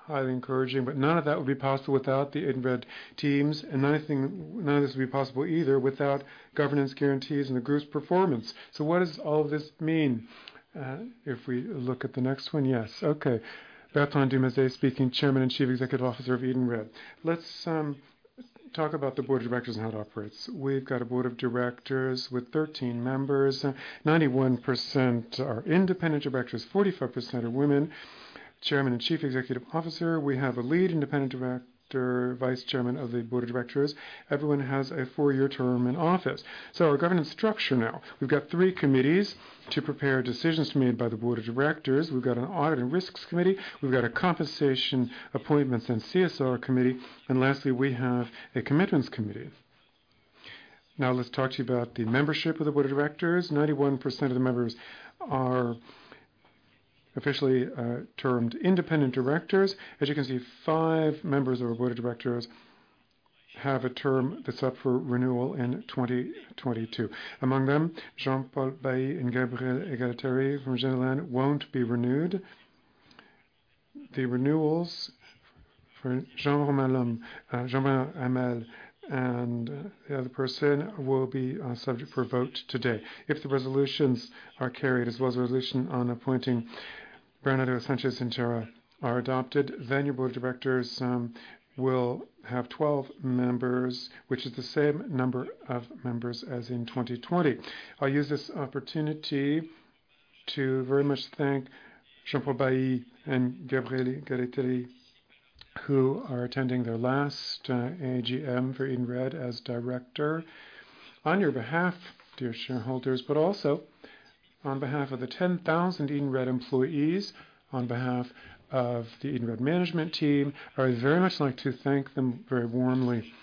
highly encouraging, but none of that would be possible without the Edenred teams, and none of this would be possible either without governance guarantees and the group's performance. What does all this mean? If we look at the next one. Yes. Okay. Bertrand Dumazy speaking, Chairman and Chief Executive Officer of Edenred. Let's talk about the Board of Directors and how it operates. We've got a Board of Directors with 13 members. 91% are Independent Directors, 45% are women. Chairman and Chief Executive Officer. We have a Lead Independent Director, Vice Chairman of the Board of Directors. Everyone has a four-year term in office. Our governance structure now. We've got three committees to prepare decisions made by the Board of Directors. We've got an Audit and Risks Committee. We've got a Compensation, Appointments, and CSR Committee. Lastly, we have a Commitments Committee. Now let's talk to you about the membership of the Board of Directors. 91% of the members are officially termed Independent Directors. As you can see, five members of our Board of Directors have a term that's up for renewal in 2022. Among them, Jean-Paul Bailly and Gabriele Galateri di Genola won't be renewed. The renewals for Jean-Romain Lhomme, Jean-Bernard Hamel, and the other person will be subject for a vote today. If the resolutions are carried, as well as the resolution on appointing Bernardo Sanchez Incera are adopted, then your Board of Directors will have 12 members, which is the same number of members as in 2020. I'll use this opportunity to very much thank Jean-Paul Bailly and Gabriele Galateri di Genola, who are attending their last AGM for Edenred as Director. On your behalf, dear shareholders, but also on behalf of the 10,000 Edenred employees, on behalf of the Edenred management team, I would very much like to thank them very warmly.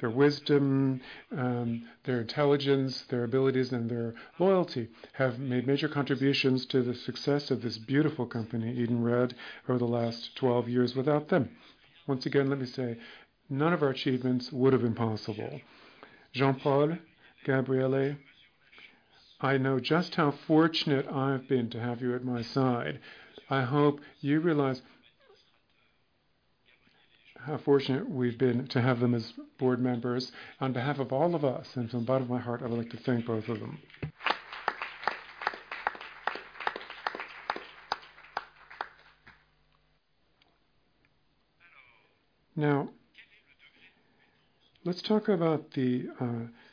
Their wisdom, their intelligence, their abilities, and their loyalty have made major contributions to the success of this beautiful company, Edenred, over the last 12 years. Without them, once again, let me say, none of our achievements would have been possible. Jean-Paul, Gabriele, I know just how fortunate I've been to have you at my side. I hope you realize how fortunate we've been to have them as board members. On behalf of all of us, and from the bottom of my heart, I would like to thank both of them. Now, let's talk about the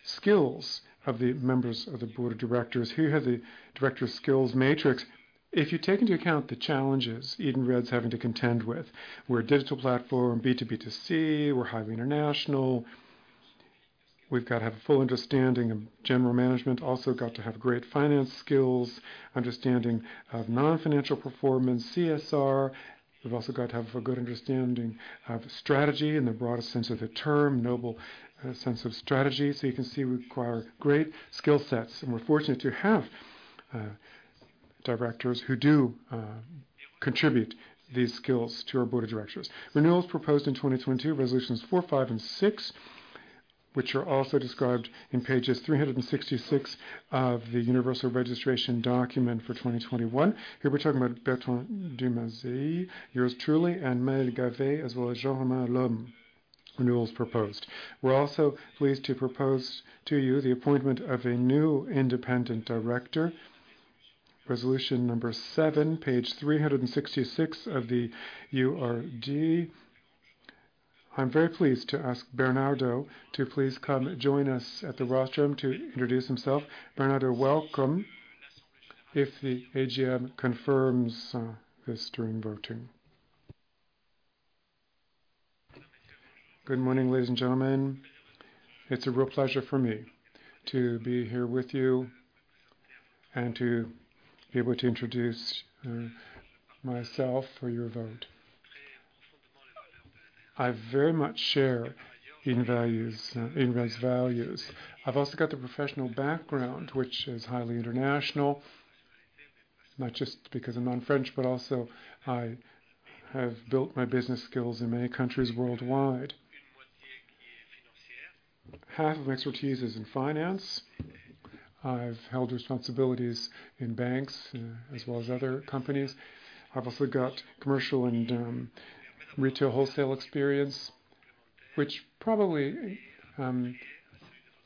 skills of the members of the Board of Directors. Here you have the director skills matrix. If you take into account the challenges Edenred's having to contend with, we're a digital platform, B2B2C, we're highly international. We've got to have a full understanding of general management. Also got to have great finance skills, understanding of non-financial performance, CSR. We've also got to have a good understanding of strategy in the broadest sense of the term, noble sense of strategy. You can see we require great skill sets, and we're fortunate to have directors who do contribute these skills to our Board of Directors. Renewals proposed in 2022, resolutions four, five, and six, which are also described in pages 366 of the universal registration document for 2021. Here we're talking about Bertrand Dumazy, yours truly, and Maëlle Gavet, as well as Jean-Romain Lhomme renewals proposed. We're also pleased to propose to you the appointment of a new Independent Director, resolution number seven, page 366 of the URD. I'm very pleased to ask Bernardo to please come join us at the rostrum to introduce himself. Bernardo, welcome. If the AGM confirms this during voting. Good morning, ladies and gentlemen. It's a real pleasure for me to be here with you and to be able to introduce myself for your vote. I very much share in those values. I've also got the professional background, which is highly international, not just because I'm non-French, but also I have built my business skills in many countries worldwide. Half of my expertise is in finance. I've held responsibilities in banks, as well as other companies. I've also got commercial and retail wholesale experience, which probably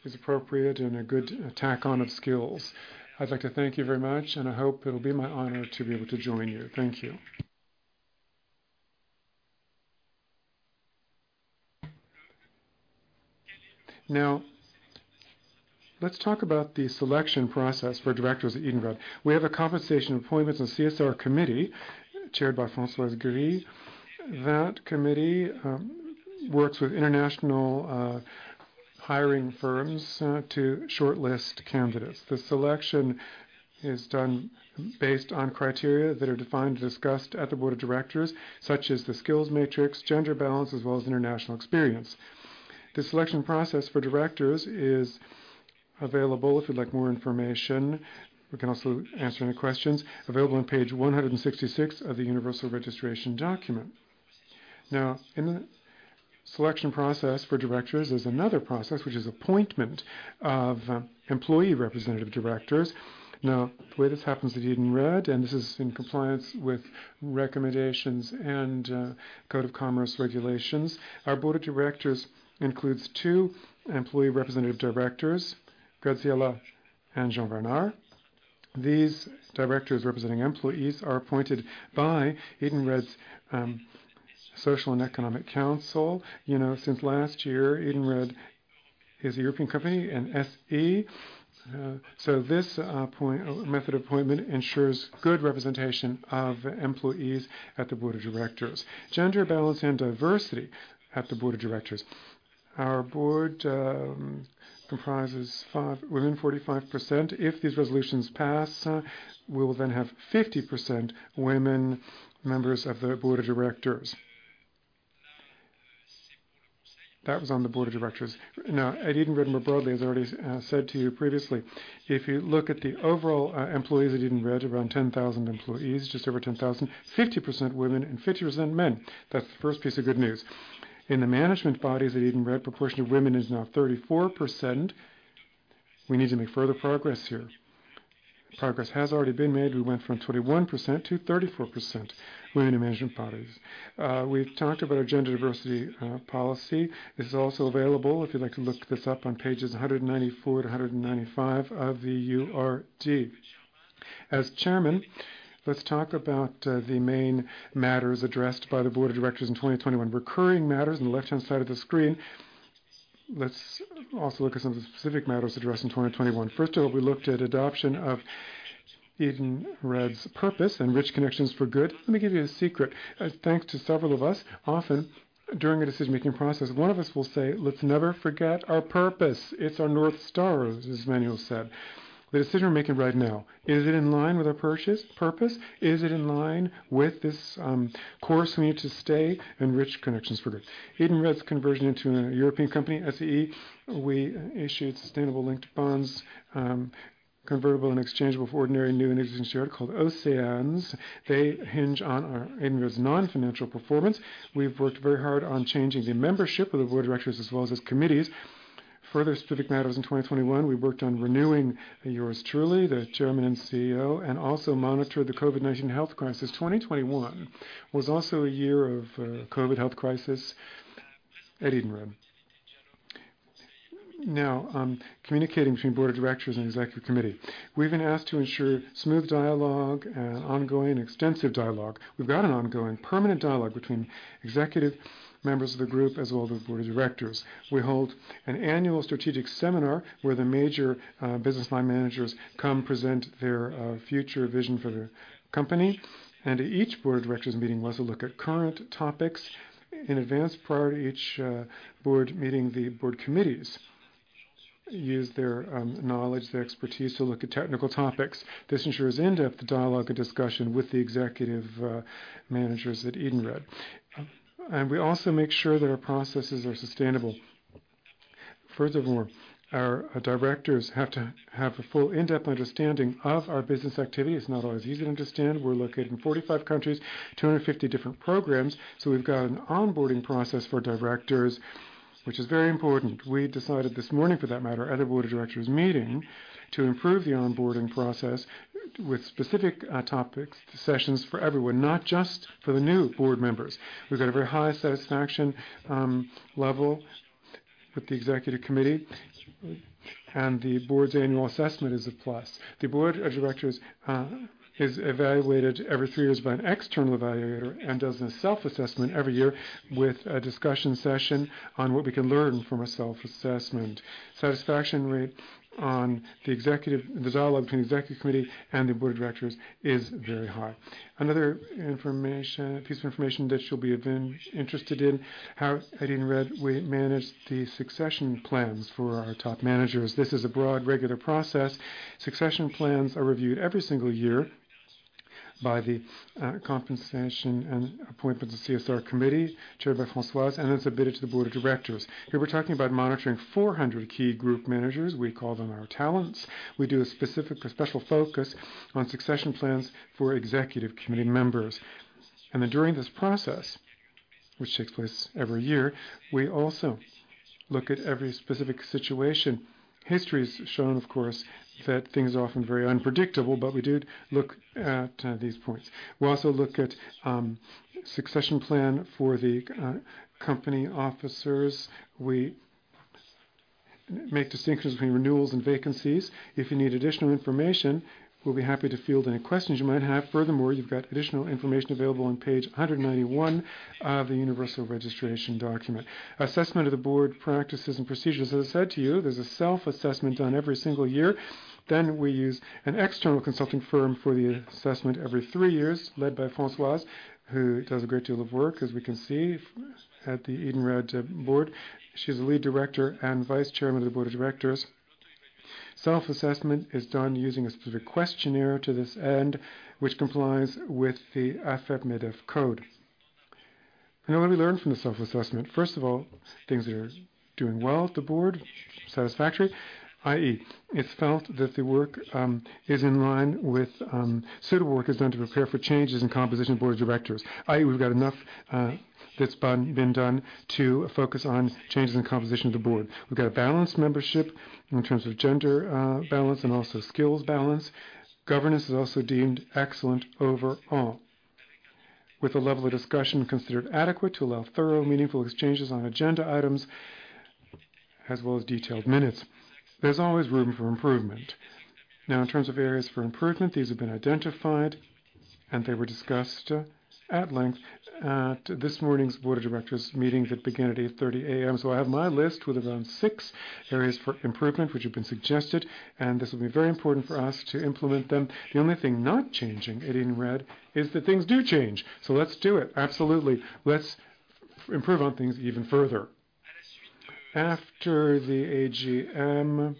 is appropriate and a good tack on of skills. I'd like to thank you very much, and I hope it'll be my honor to be able to join you. Thank you. Now, let's talk about the selection process for Directors at Edenred. We have a compensation, appointments, and CSR committee chaired by Françoise Gri. That committee works with international hiring firms to shortlist candidates. The selection is done based on criteria that are defined and discussed at the Board of Directors, such as the skills matrix, gender balance, as well as international experience. The selection process for Directors is available if you'd like more information. We can also answer any questions. Available on page 166 of the universal registration document. Now, in the selection process for Directors, there's another process, which is appointment of employee representative Directors. The way this happens at Edenred, and this is in compliance with recommendations and Code de commerce regulations, our Board of Directors includes two employee representative Directors, Graziella and Jean-Bernard. These Directors representing employees are appointed by Edenred's social and economic council. You know, since last year, Edenred is a European company, an SE. So this method of appointment ensures good representation of employees at the Board of Directors. Gender balance and diversity at the Board of Directors. Our board comprises five women 45%. If these resolutions pass, we will then have 50% women members of the Board of Directors. That was on the Board of Directors. Now, at Edenred more broadly, as I already said to you previously, if you look at the overall employees at Edenred, around 10,000 employees, just over 10,000, 50% women and 50% men. That's the first piece of good news. In the management bodies at Edenred, proportion of women is now 34%. We need to make further progress here. Progress has already been made. We went from 21% to 34% women in management bodies. We've talked about our gender diversity policy. This is also available if you'd like to look this up on pages 194-195 of the URD. As Chairman, let's talk about the main matters addressed by the Board of Directors in 2021. Recurring matters on the left-hand side of the screen. Let's also look at some of the specific matters addressed in 2021. First of all, we looked at adoption of Edenred's purpose, enrich connections for good. Let me give you a secret. Thanks to several of us, often during the decision-making process, one of us will say, "Let's never forget our purpose. It's our North Star," as Emmanuelle said. The decision we're making right now, is it in line with our purpose? Is it in line with this course we need to stay, enrich connections for good? Edenred's conversion into a European company, SE. We issued sustainable linked bonds, convertible and exchangeable for ordinary new and existing shares called OCEANE. They hinge on our Edenred's non-financial performance. We've worked very hard on changing the membership of the Board of Directors as well as committees. Further specific matters in 2021, we worked on renewing yours truly, the Chairman and CEO, also monitored the COVID-19 health crisis. 2021 was also a year of COVID health crisis at Edenred. Now, communicating between Board of Directors and executive committee. We've been asked to ensure smooth dialogue and ongoing extensive dialogue. We've got an ongoing permanent dialogue between executive members of the group as well as the Board of Directors. We hold an annual strategic seminar where the major business line managers come present their future vision for their company. Each Board of Directors meeting wants to look at current topics. In advance, prior to each board meeting, the board committees use their knowledge, their expertise to look at technical topics. This ensures in-depth dialogue and discussion with the executive managers at Edenred. We also make sure that our processes are sustainable. Furthermore, our Directors have to have a full in-depth understanding of our business activities. It's not always easy to understand. We're located in 45 countries, 250 different programs, so we've got an onboarding process for Directors, which is very important. We decided this morning, for that matter, at a Board of Directors meeting to improve the onboarding process with specific topics, sessions for everyone, not just for the new board members. We've got a very high satisfaction level with the executive committee, and the board's annual assessment is a plus. The Board of Directors is evaluated every three years by an external evaluator and does a self-assessment every year with a discussion session on what we can learn from a self-assessment. Satisfaction rate on the executive. The dialogue between executive committee and the Board of Directors is very high. Another piece of information that you'll be even interested in, how at Edenred we manage the succession plans for our top managers. This is a broad, regular process. Succession plans are reviewed every single year by the Compensation, Appointments and CSR Committee chaired by Françoise, and it's submitted to the Board of Directors. Here we're talking about monitoring 400 key group managers. We call them our talents. We do a specific, a special focus on succession plans for executive committee members. During this process, which takes place every year, we also look at every specific situation. History has shown, of course, that things are often very unpredictable, but we do look at these points. We also look at succession plan for the company officers. We make distinctions between renewals and vacancies. If you need additional information, we'll be happy to field any questions you might have. Furthermore, you've got additional information available on page 191 of the universal registration document. Assessment of the board practices and procedures. As I said to you, there's a self-assessment done every single year. We use an external consulting firm for the assessment every three years, led by Françoise, who does a great deal of work, as we can see at the Edenred board. She's the Lead Director and Vice Chairman of the Board of Directors. Self-assessment is done using a specific questionnaire to this end, which complies with the AFEP-MEDEF code. Now, what do we learn from the self-assessment? First of all, things that are doing well at the board, satisfactory, i.e., it's felt that the work is in line with suitable work is done to prepare for changes in composition of Board of Directors. I.e., we've got enough, that's been done to focus on changes in composition of the board. We've got a balanced membership in terms of gender balance and also skills balance. Governance is also deemed excellent overall, with the level of discussion considered adequate to allow thorough, meaningful exchanges on agenda items as well as detailed minutes. There's always room for improvement. Now, in terms of areas for improvement, these have been identified and they were discussed at length at this morning's Board of Directors meeting that began at 8:30 A.M. I have my list with around six areas for improvement which have been suggested, and this will be very important for us to implement them. The only thing not changing at Edenred is that things do change. Let's do it. Absolutely. Let's improve on things even further. After the AGM,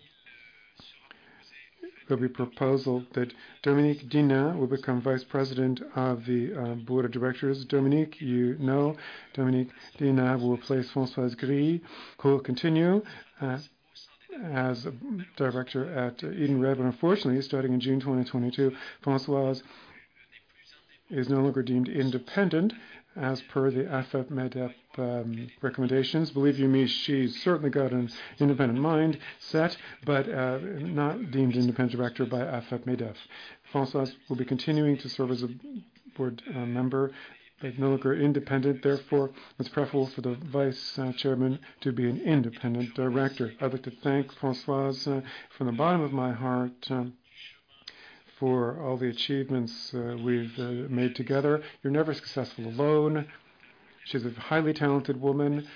there'll be a proposal that Dominique D'Hinnin will become vice president of the Board of Directors. Dominique, you know Dominique D'Hinnin will replace Françoise Gri, who will continue as a Director at Edenred. Unfortunately, starting in June 2022, Françoise is no longer deemed independent as per the AFEP-MEDEF recommendations. Believe you me, she's certainly got an independent mind set, but not deemed Independent Director by AFEP-MEDEF. Françoise will be continuing to serve as a board member, but no longer independent. Therefore, it's preferable for the Vice Chairman to be an Independent Director. I'd like to thank Françoise from the bottom of my heart for all the achievements we've made together. You're never successful alone. She's a highly talented woman,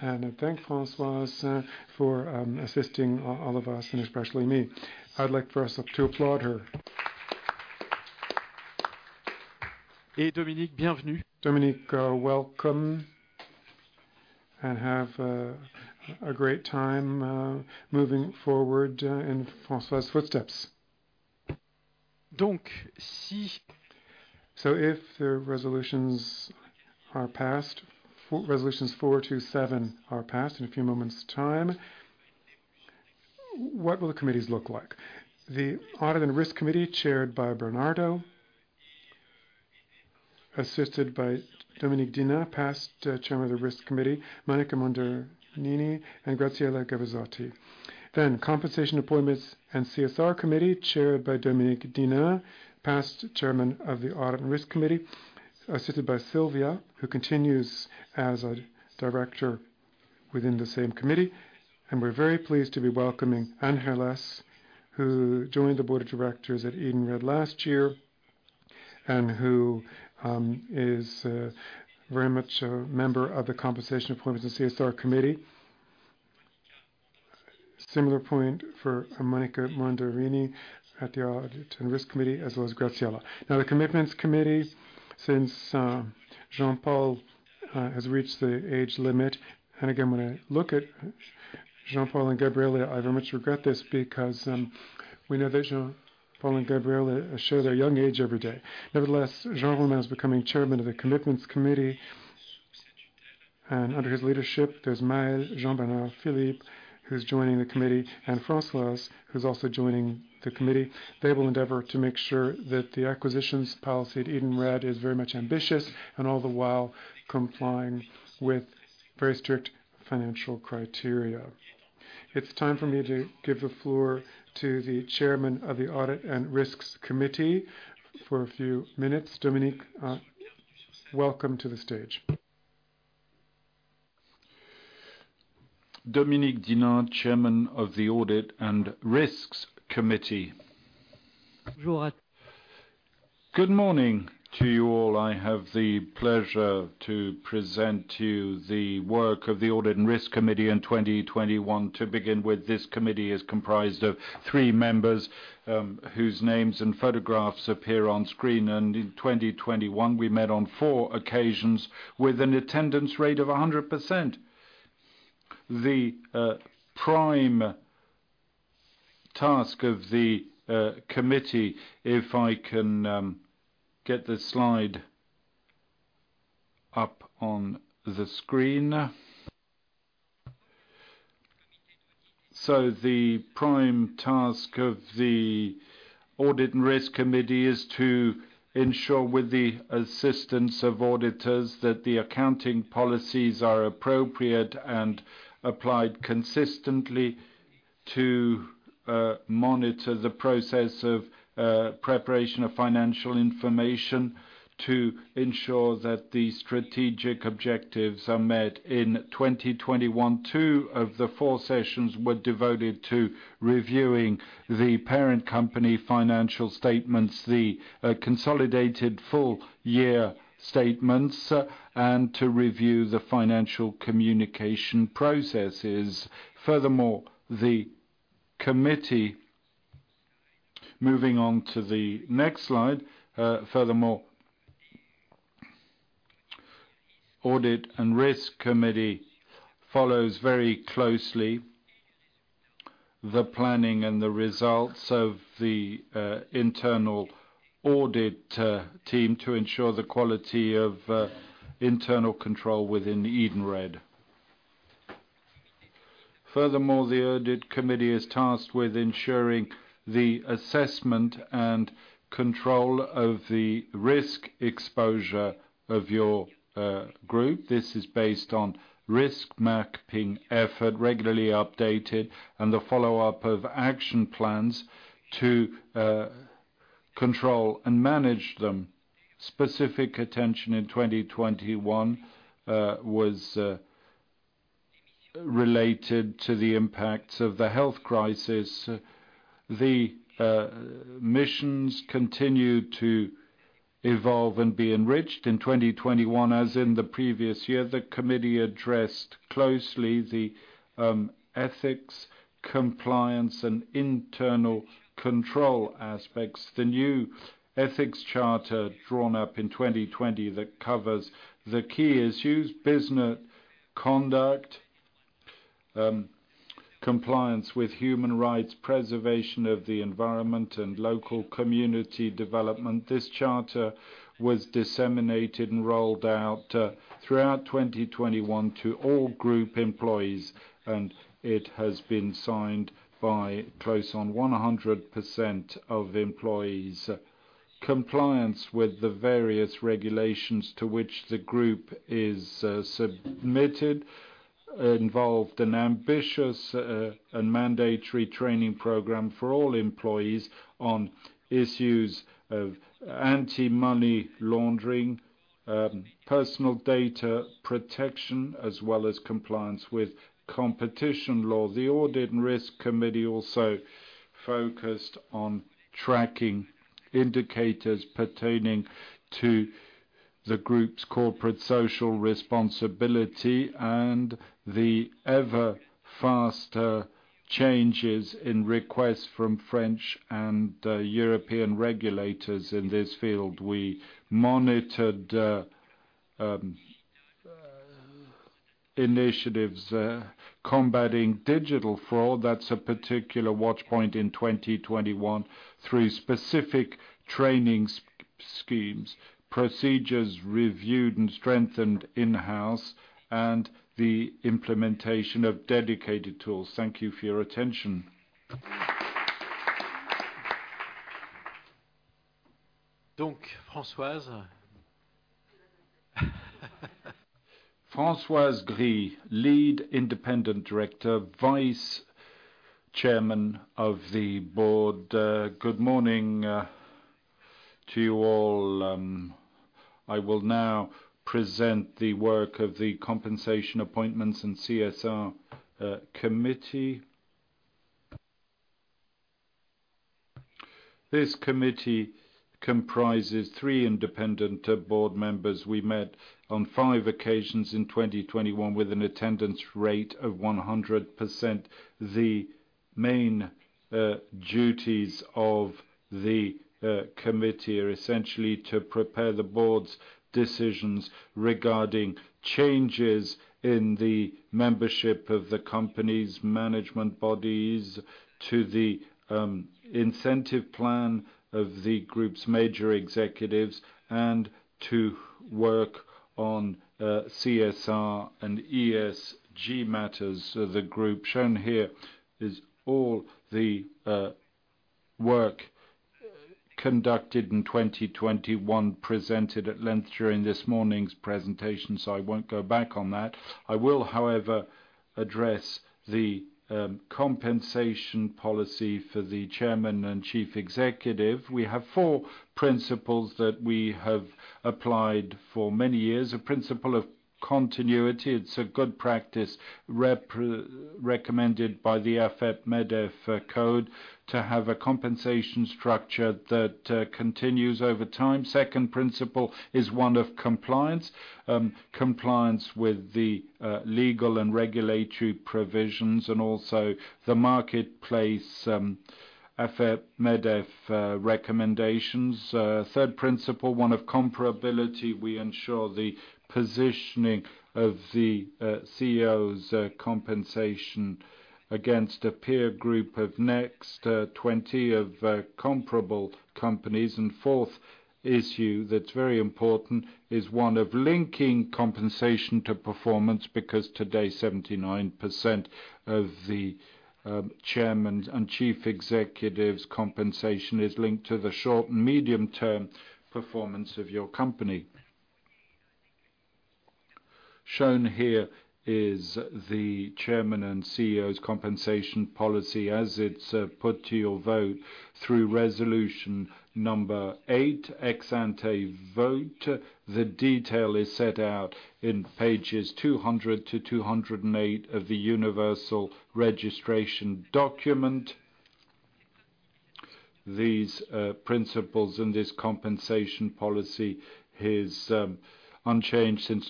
and I thank Françoise for assisting all of us and especially me. I'd like for us to applaud her. Dominique, welcome, and have a great time moving forward in Françoise's footsteps. If the resolutions are passed, resolutions four to seven are passed in a few moments' time, what will the committees look like? The Audit and Risk Committee chaired by Bernardo, assisted by Dominique D'Hinnin, past Chairman of the Risk Committee, Monica Mondardini, and Graziella Gavezotti. Compensation, Appointments, and CSR Committee chaired by Dominique D'Hinnin, past Chairman of the Audit and Risk Committee, assisted by Sylvia, who continues as a Director within the same committee. We're very pleased to be welcoming Angeles, who joined the Board of Directors at Edenred last year, and who is very much a member of the Compensation, Appointments, and CSR Committee. Similar point for Monica Mondardini at the Audit and Risk Committee, as well as Graziella. Now, the Commitments Committee, since Jean-Paul has reached the age limit. Again, when I look at Jean-Paul and Gabriele, I very much regret this because we know that Jean-Paul and Gabriele show their young age every day. Nevertheless, Jean-Bernard is becoming Chairman of the Commitments Committee. Under his leadership, there's Maëlle, Jean-Bernard, Philippe who's joining the committee, and Françoise who's also joining the committee. They will endeavor to make sure that the acquisitions policy at Edenred is very much ambitious, and all the while complying with very strict financial criteria. It's time for me to give the floor to the Chairman of the Audit and Risks Committee for a few minutes. Dominique, welcome to the stage. Dominique D'Hinnin, Chairman of the Audit and Risks Committee. Good morning to you all. I have the pleasure to present to you the work of the Audit and Risk Committee in 2021. To begin with, this committee is comprised of three members, whose names and photographs appear on screen. In 2021, we met on four occasions with an attendance rate of 100%. The prime task of the committee, if I can get this slide up on the screen. The prime task of the Audit and Risk Committee is to ensure with the assistance of auditors that the accounting policies are appropriate and applied consistently to monitor the process of preparation of financial information to ensure that the strategic objectives are met. In 2021, two of the four sessions were devoted to reviewing the parent company financial statements, the consolidated full year statements, and to review the financial communication processes, futhermore, the committee. Moving on to the next slide. Furthermore, Audit and Risks Committee follows very closely the planning and the results of the internal audit team to ensure the quality of internal control within Edenred. Furthermore, the Audit and Risks Committee is tasked with ensuring the assessment and control of the risk exposure of your group. This is based on risk mapping effort, regularly updated, and the follow-up of action plans to control and manage them. Specific attention in 2021 was related to the impacts of the health crisis. The missions continued to evolve and be enriched. In 2021, as in the previous year, the committee addressed closely the ethics, compliance, and internal control aspects. The new ethics charter drawn up in 2020 that covers the key issues, business conduct, compliance with human rights, preservation of the environment, and local community development. This charter was disseminated and rolled out throughout 2021 to all group employees, and it has been signed by close on 100% of employees. Compliance with the various regulations to which the group is submitted involved an ambitious and mandatory training program for all employees on issues of anti-money laundering, personal data protection, as well as compliance with competition law. The Audit and Risks Committee also focused on tracking indicators pertaining to the group's corporate social responsibility and the ever faster changes in requests from French and European regulators in this field. We monitored initiatives combating digital fraud. That's a particular watch point in 2021 through specific training schemes, procedures reviewed and strengthened in-house, and the implementation of dedicated tools. Thank you for your attention. Françoise. Françoise. The Lead, Independent Director, Vice Chairman of the Board. Good morning to you all. I will now present the work of the compensation appointments and CSR committee. This committee comprises three independent board members. We met on five occasions in 2021 with an attendance rate of 100%. The main duties of the committee are essentially to prepare the board's decisions regarding changes in the membership of the company's management bodies to the incentive plan of the group's major executives and to work on CSR and ESG matters of the group. Shown here is all the work conducted in 2021 presented at length during this morning's presentation, so I won't go back on that. I will, however, address the compensation policy for the Chairman and Chief Executive. We have four principles that we have applied for many years. A principle of continuity. It's a good practice recommended by the AFEP-MEDEF code to have a compensation structure that continues over time. Second principle is one of compliance. Compliance with the legal and regulatory provisions and also the marketplace AFEP-MEDEF recommendations. Third principle, one of comparability. We ensure the positioning of the CEO's compensation against a peer group of next 20 of comparable companies. Fourth issue that's very important is one of linking compensation to performance, because today 79% of the Chairman and Chief Executive's compensation is linked to the short and medium-term performance of your company. Shown here is the Chairman and CEO's compensation policy as it's put to your vote through resolution number eight, ex-ante vote. The detail is set out in pages 200-208 of the universal registration document. These principles and this compensation policy is unchanged since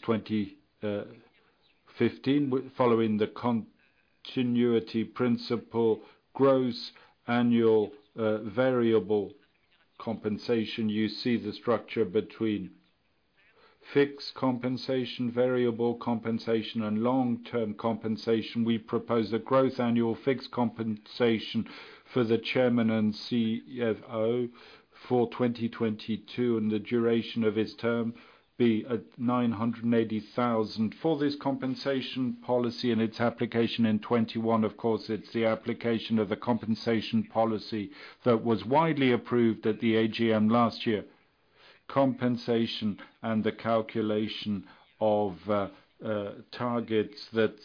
2015. Following the continuity principle, gross annual variable compensation. You see the structure between fixed compensation, variable compensation, and long-term compensation. We propose a gross annual fixed compensation for the Chairman and CFO for 2022, and the duration of his term be at 980,000. For this compensation policy and its application in 2021, of course, it's the application of the compensation policy that was widely approved at the AGM last year. Compensation and the calculation of targets that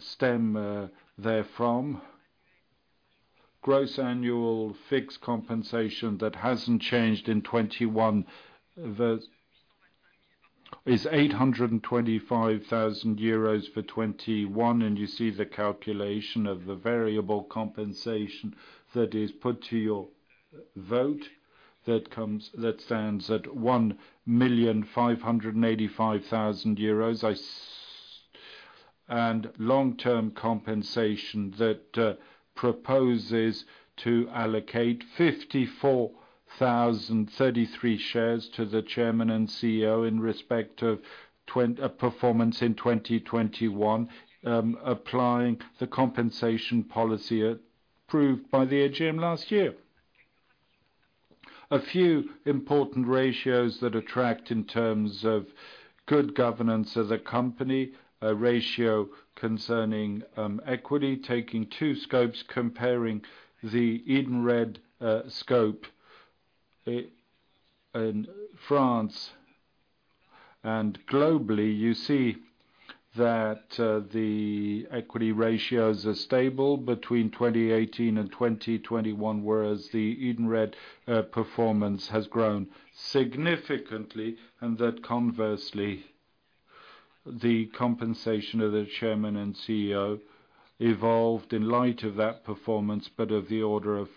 stem therefrom. Gross annual fixed compensation that hasn't changed in 21 years is 825,000 euros for 2021, and you see the calculation of the variable compensation that is put to your vote. That stands at 1,585,000 euros. Long-term compensation that proposes to allocate 54,033 shares to the Chairman and CEO in respect of performance in 2021, applying the compensation policy approved by the AGM last year. A few important ratios that matter in terms of good governance as a company. A ratio concerning equity, taking two scopes, comparing the Edenred scope in France and globally. You see that the equity ratios are stable between 2018-2021, whereas the Edenred performance has grown significantly. That conversely, the compensation of the Chairman and CEO evolved in light of that performance, but of the order of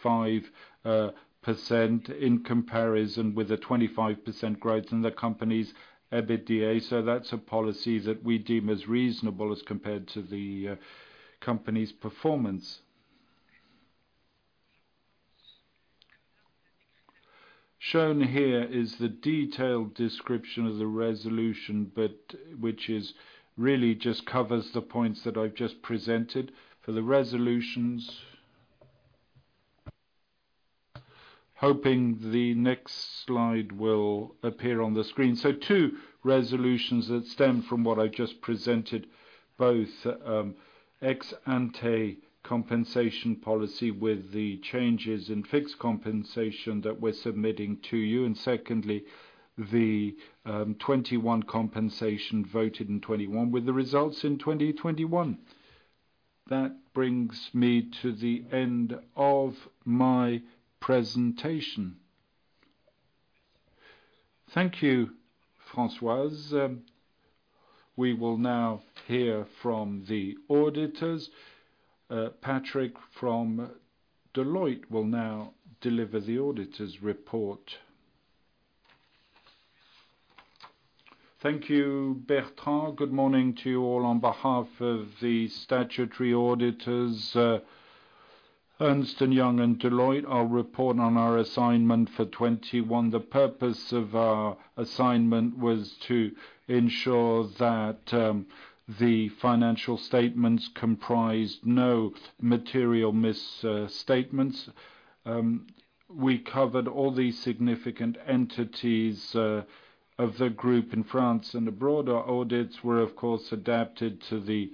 5% in comparison with a 25% growth in the company's EBITDA. That's a policy that we deem as reasonable as compared to the company's performance. Shown here is the detailed description of the resolution, but which is really just covers the points that I've just presented the resolutions. Hoping the next slide will appear on the screen. Two resolutions that stem from what I just presented, both ex ante compensation policy with the changes in fixed compensation that we're submitting to you. Secondly, the 2021 compensation voted in 2021, with the results in 2021. That brings me to the end of my presentation. Thank you, Françoise. We will now hear from the auditors. Mr. Patrick Suissa from Deloitte will now deliver the auditor's report. Thank you, Bertrand. Good morning to you all on behalf of the statutory auditors, Ernst & Young and Deloitte. I'll report on our assignment for 2021. The purpose of our assignment was to ensure that the financial statements comprised no material misstatements. We covered all the significant entities of the group in France and abroad. Our audits were, of course, adapted to the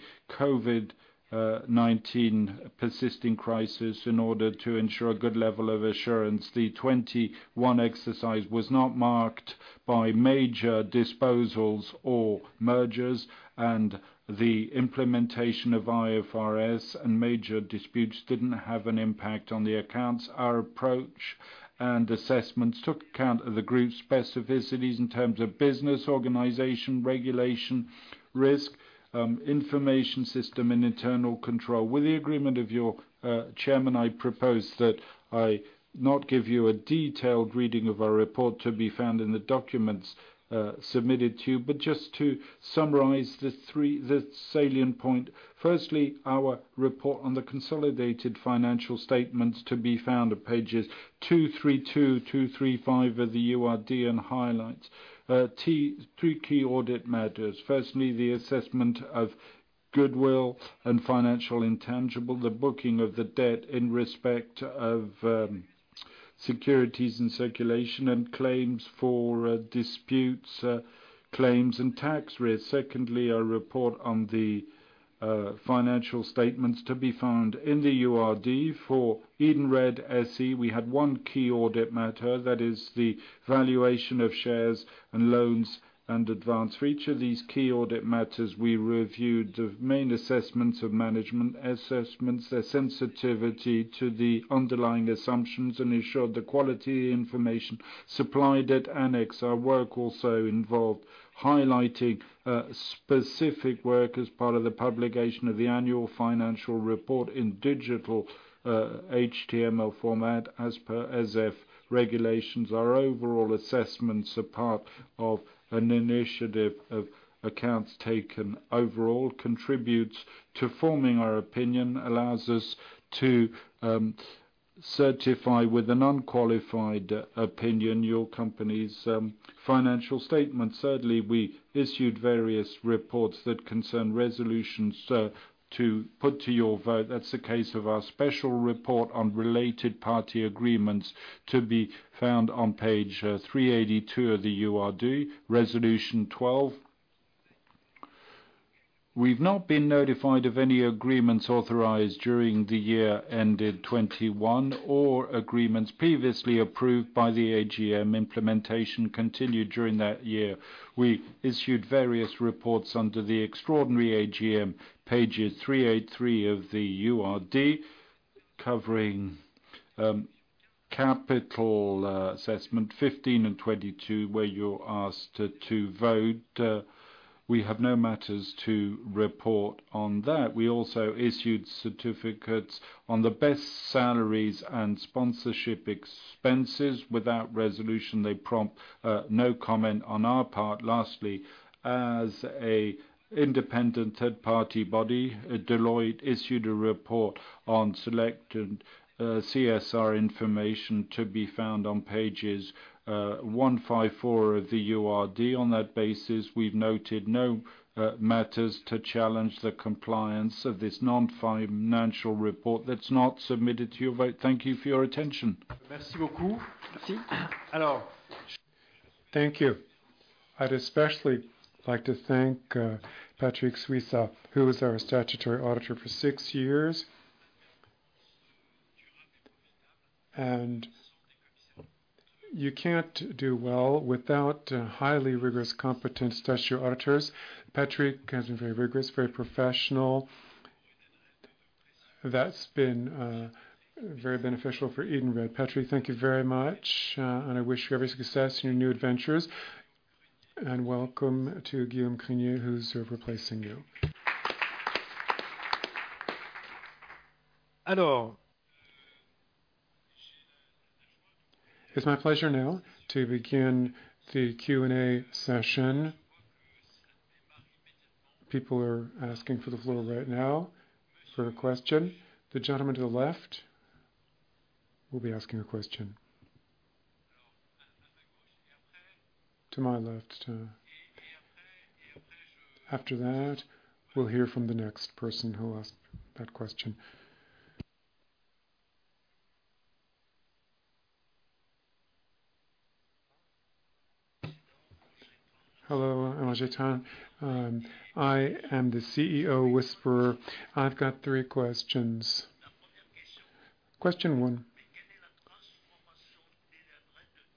COVID-19 persisting crisis in order to ensure a good level of assurance. The 2021 exercise was not marked by major disposals or mergers, and the implementation of IFRS and major disputes didn't have an impact on the accounts. Our approach and assessments took account of the group specificities in terms of business, organization, regulation, risk, information system and internal control. With the agreement of your Chairman, I propose that I not give you a detailed reading of our report to be found in the documents submitted to you. Just to summarize the three the salient point. Firstly, our report on the consolidated financial statements to be found at pages 232, 235 of the URD and highlights, three key audit matters. Firstly, the assessment of goodwill and financial intangible, the booking of the debt in respect of, securities and circulation, and claims for, disputes, claims and tax risk. Secondly, our report on the, financial statements to be found in the URD. For Edenred SE, we had one key audit matter, that is the valuation of shares and loans and advance. For each of these key audit matters, we reviewed the main assessments of management assessments, their sensitivity to the underlying assumptions, and ensured the quality of the information supplied in the annex. Our work also involved highlighting specific work as part of the publication of the annual financial report in digital HTML format ESEF regulations. Our overall assessments are part of the initiative of the accounts taken overall, which contributes to forming our opinion and allows us to certify with an unqualified opinion your company's financial statements. Thirdly, we issued various reports that concern resolutions to put to your vote. That's the case of our special report on related party agreements to be found on page 382 of the URD, resolution 12. We've not been notified of any agreements authorized during the year ended 2021 or agreements previously approved by the AGM implementation continued during that year. We issued various reports under the extraordinary AGM, pages 383 of the URD, covering capital assessment 15 and 22, where you're asked to vote. We have no matters to report on that. We also issued certificates on the best salaries and sponsorship expenses without resolution. They prompt no comment on our part. Lastly, as an independent third-party body, Deloitte issued a report on selected CSR information to be found on pages 154 of the URD. On that basis, we've noted no matters to challenge the compliance of this non-financial report that's not submitted to you. Thank you for your attention. Merci beaucoup. Merci. Thank you. I'd especially like to thank Patrick Suissa, who was our statutory auditor for six years. You can't do well without highly rigorous, competent statutory auditors. Patrick has been very rigorous, very professional. That's been very beneficial for Edenred. Patrick, thank you very much, and I wish you every success in your new adventures. Welcome to Guillaume Grignou, who's replacing you. It's my pleasure now to begin the Q&A session. People are asking for the floor right now for a question. The gentleman to the left will be asking a question. To my left. After that, we'll hear from the next person who asked that question. Hello, Bertrand. I am the CEO whisperer. I've got three questions. Question one.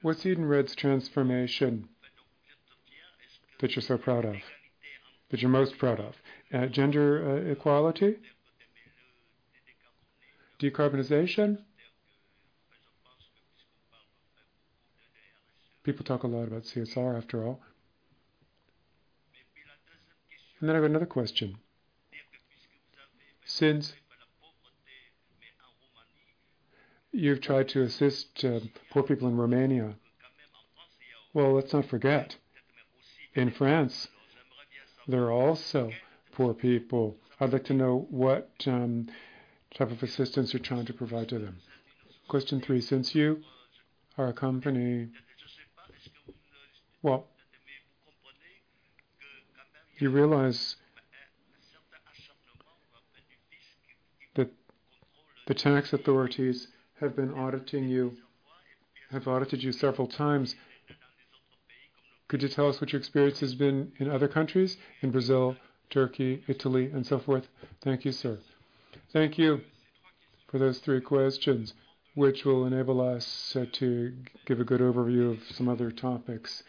What's Edenred's transformation that you're so proud of? That you're most proud of? Gender, equality, decarbonization. People talk a lot about CSR, after all. I have another question. Since you've tried to assist poor people in Romania, well, let's not forget, in France, there are also poor people. I'd like to know what type of assistance you're trying to provide to them. Question three, since you are a company. Well, you realize that the tax authorities have audited you several times. Could you tell us what your experience has been in other countries, in Brazil, Turkey, Italy, and so forth? Thank you, sir. Thank you for those three questions, which will enable us to give a good overview of some other topics.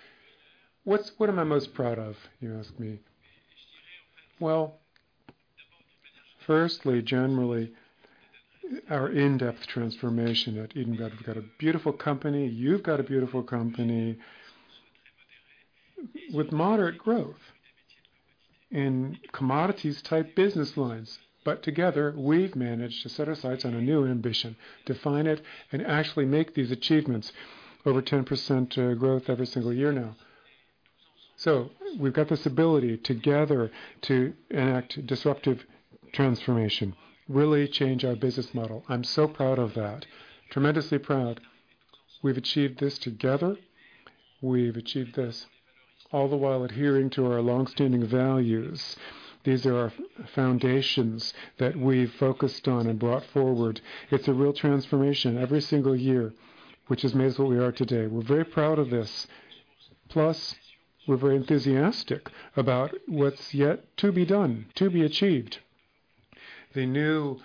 What am I most proud of, you ask me? Well, firstly, generally, our in-depth transformation at Edenred. We've got a beautiful company. You've got a beautiful company with moderate growth in commodities-type business lines. Together, we've managed to set our sights on a new ambition, define it, and actually make these achievements over 10% growth every single year now. We've got this ability together to enact disruptive transformation, really change our business model. I'm so proud of that. Tremendously proud. We've achieved this together. We've achieved this all the while adhering to our longstanding values. These are our foundations that we've focused on and brought forward. It's a real transformation every single year, which has made us what we are today. We're very proud of this. Plus, we're very enthusiastic about what's yet to be done, to be achieved. The new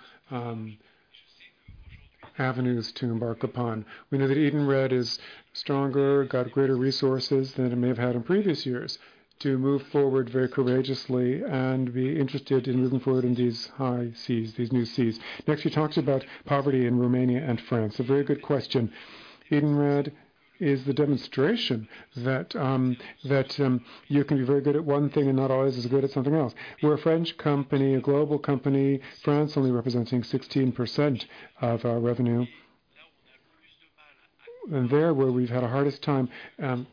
avenues to embark upon. We know that Edenred is stronger, got greater resources than it may have had in previous years to move forward very courageously and be interested in moving forward in these high seas, these new seas. Next, you talked about poverty in Romania and France. A very good question. Edenred is the demonstration that you can be very good at one thing and not always as good at something else. We're a French company, a global company. France only representing 16% of our revenue. There, where we've had our hardest time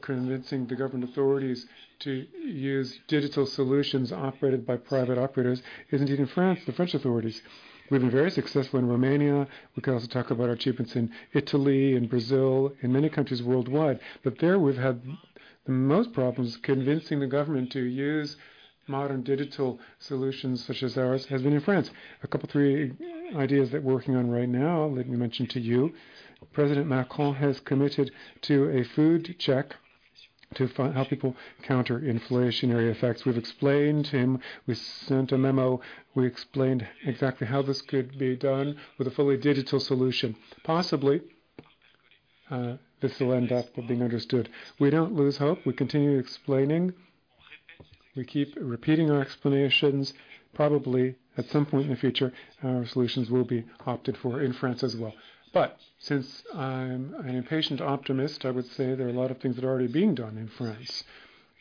convincing the government authorities to use digital solutions operated by private operators is indeed in France, the French authorities. We've been very successful in Romania. We can also talk about our achievements in Italy, in Brazil, in many countries worldwide. There, we've had the most problems convincing the government to use modern digital solutions such as ours has been in France. A couple, three ideas that we're working on right now, let me mention to you. President Macron has committed to a food check to help people counter-inflationary effects. We've explained to him, we sent a memo, we explained exactly how this could be done with a fully digital solution. Possibly, this will end up being understood. We don't lose hope. We continue explaining. We keep repeating our explanations. Probably at some point in the future, our solutions will be opted for in France as well. Since I'm an impatient optimist, I would say there are a lot of things that are already being done in France.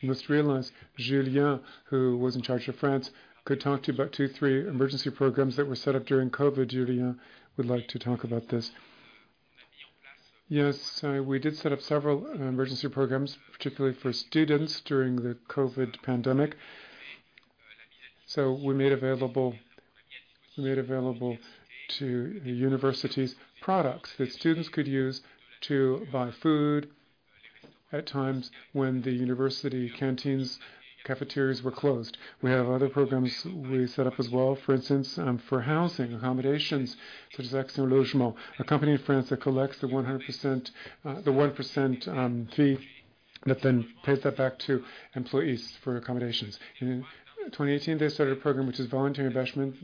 You must realize, Julien, who was in charge of France, could talk to you about two, three emergency programs that were set up during COVID. Julien would like to talk about this. Yes. We did set up several emergency programs, particularly for students during the COVID pandemic. We made available to the universities products that students could use to buy food at times when the university canteens, cafeterias were closed. We have other programs we set up as well, for instance, for housing, accommodations, such as Action Logement, a company in France that collects the 1% fee, that then pays that back to employees for accommodations. In 2018, they started a program which is voluntary investment.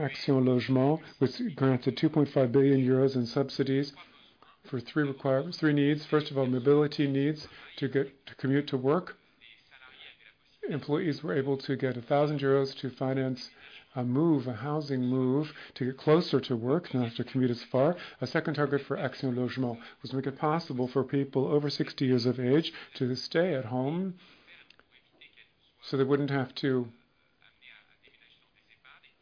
Action Logement was granted 2.5 billion euros in subsidies for three needs. First of all, mobility needs to commute to work. Employees were able to get 1,000 euros to finance a move, a housing move to get closer to work, not have to commute as far. A second target for Action Logement was to make it possible for people over 60 years of age to stay at home, so they wouldn't have to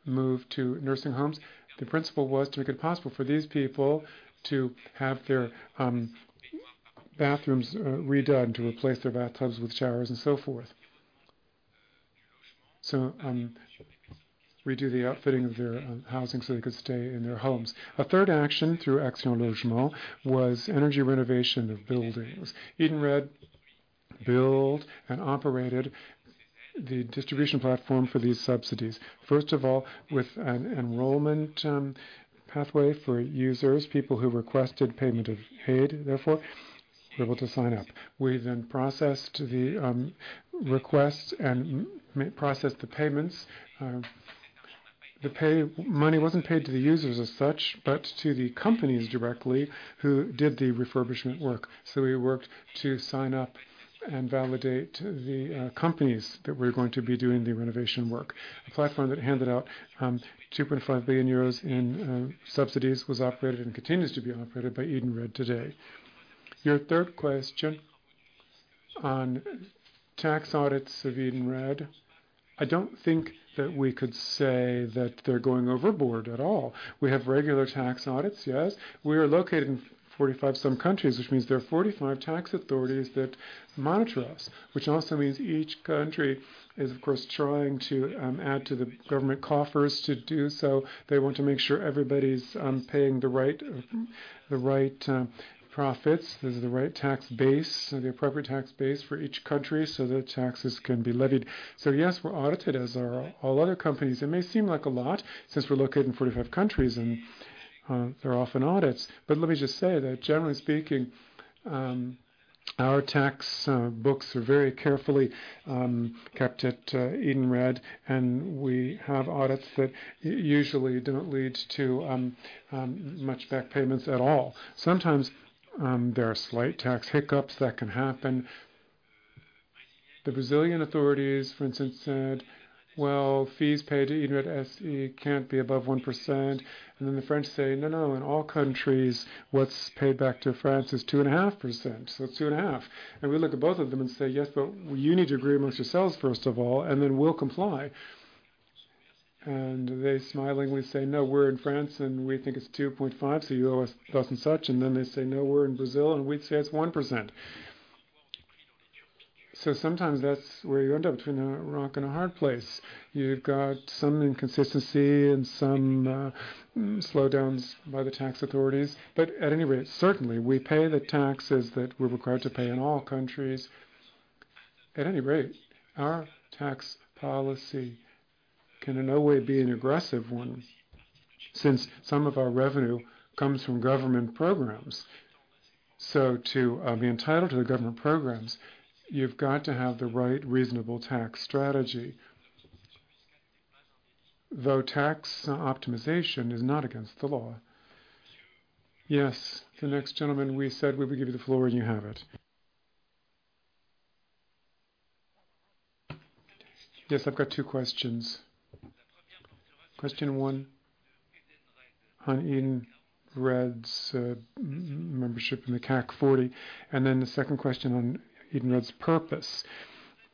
move to nursing homes. The principle was to make it possible for these people to have their bathrooms re-done, to replace their bathtubs with showers and so forth. We do the outfitting of their housing so they could stay in their homes. A third action through Action Logement was energy renovation of buildings. Edenred built and operated the distribution platform for these subsidies. First of all, with an enrollment pathway for users, people who requested to be paid, therefore were able to sign up. We then processed the request and processed the payments. Money wasn't paid to the users as such, but to the companies directly who did the refurbishment work. We worked to sign up and validate the companies that were going to be doing the renovation work. The platform that handed out 25 billion euros in subsidies was operated and continues to be operated by Edenred today. Your third question on tax audits of Edenred, I don't think that we could say that they're going overboard at all. We have regular tax audits, yes. We are located in 45 or so countries, which means there are 45 tax authorities that monitor us, which also means each country is, of course, trying to add to the government coffers. To do so, they want to make sure everybody's paying the right profits. This is the right tax base, the appropriate tax base for each country, so that taxes can be levied. Yes, we're audited, as are all other companies. It may seem like a lot since we're located in 45 countries and there are often audits. But let me just say that generally speaking, our tax books are very carefully kept at Edenred, and we have audits that usually don't lead to much back payments at all. Sometimes there are slight tax hiccups that can happen. The Brazilian authorities, for instance, said, "Well, fees paid to Edenred SE can't be above 1%." Then the French say, "No, no. In all countries, what's paid back to France is 2.5%, so it's 2.5%." We look at both of them and say, "Yes, but you need to agree among yourselves, first of all, and then we'll comply." They smilingly say, "No, we're in France, and we think it's 2.5%, so you owe us thus and such." Then they say, "No, we're in Brazil, and we'd say it's 1%." Sometimes that's where you end up between a rock and a hard place. You've got some inconsistency and some slowdowns by the tax authorities. At any rate, certainly, we pay the taxes that we're required to pay in all countries. At any rate, our tax policy can in no way be an aggressive one since some of our revenue comes from government programs. To be entitled to the government programs, you've got to have the right reasonable tax strategy, though tax optimization is not against the law. Yes. The next gentleman, we said we would give you the floor, and you have it. Yes, I've got two questions. Question one on Edenred's membership in the CAC 40, and then the second question on Edenred's purpose.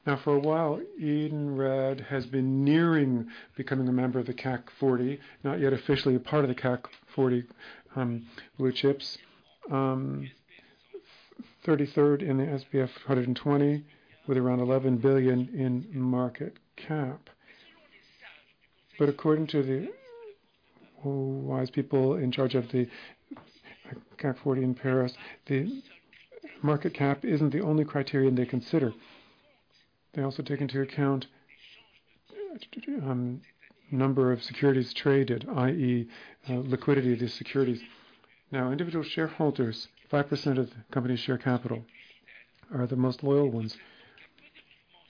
Now, for a while, Edenred has been nearing becoming a member of the CAC 40. Not yet officially a part of the CAC 40, blue chips. Thirty-third in the SBF 120 with around 11 billion in market cap. According to the wise people in charge of the CAC 40 in Paris, the market cap isn't the only criterion they consider. They also take into account, number of securities traded, i.e., liquidity of the securities. Individual shareholders, 5% of the company's share capital, are the most loyal ones,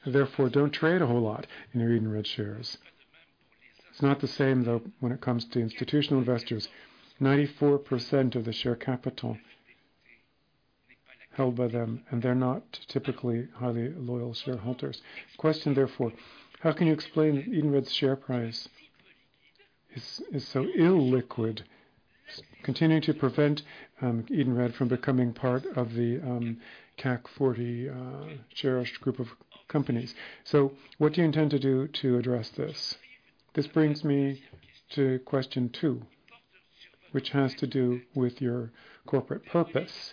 therefore don't trade a whole lot in their Edenred shares. It's not the same, though, when it comes to institutional investors. 94% of the share capital held by them, and they're not typically highly loyal shareholders. Question, therefore. How can you explain Edenred's share price is so illiquid, continuing to prevent, Edenred from becoming part of the, CAC 40, cherished group of companies? What do you intend to do to address this? This brings me to question two, which has to do with your corporate purpose,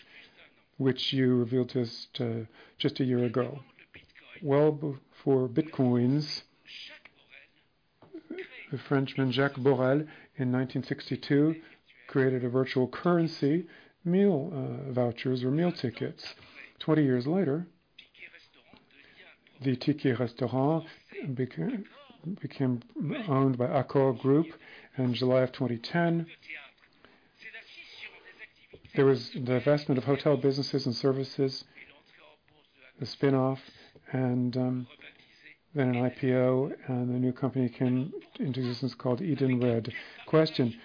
which you revealed just a year ago. Well, before Bitcoin, the Frenchman, Jacques Borel, in 1962, created a virtual currency, meal vouchers or meal tickets. 20 years later, the Ticket Restaurant became owned by Accor Group in July of 2010. There was the divestment of hotel businesses and services, the spin-off, and then an IPO and the new company came into existence called Edenred. Question: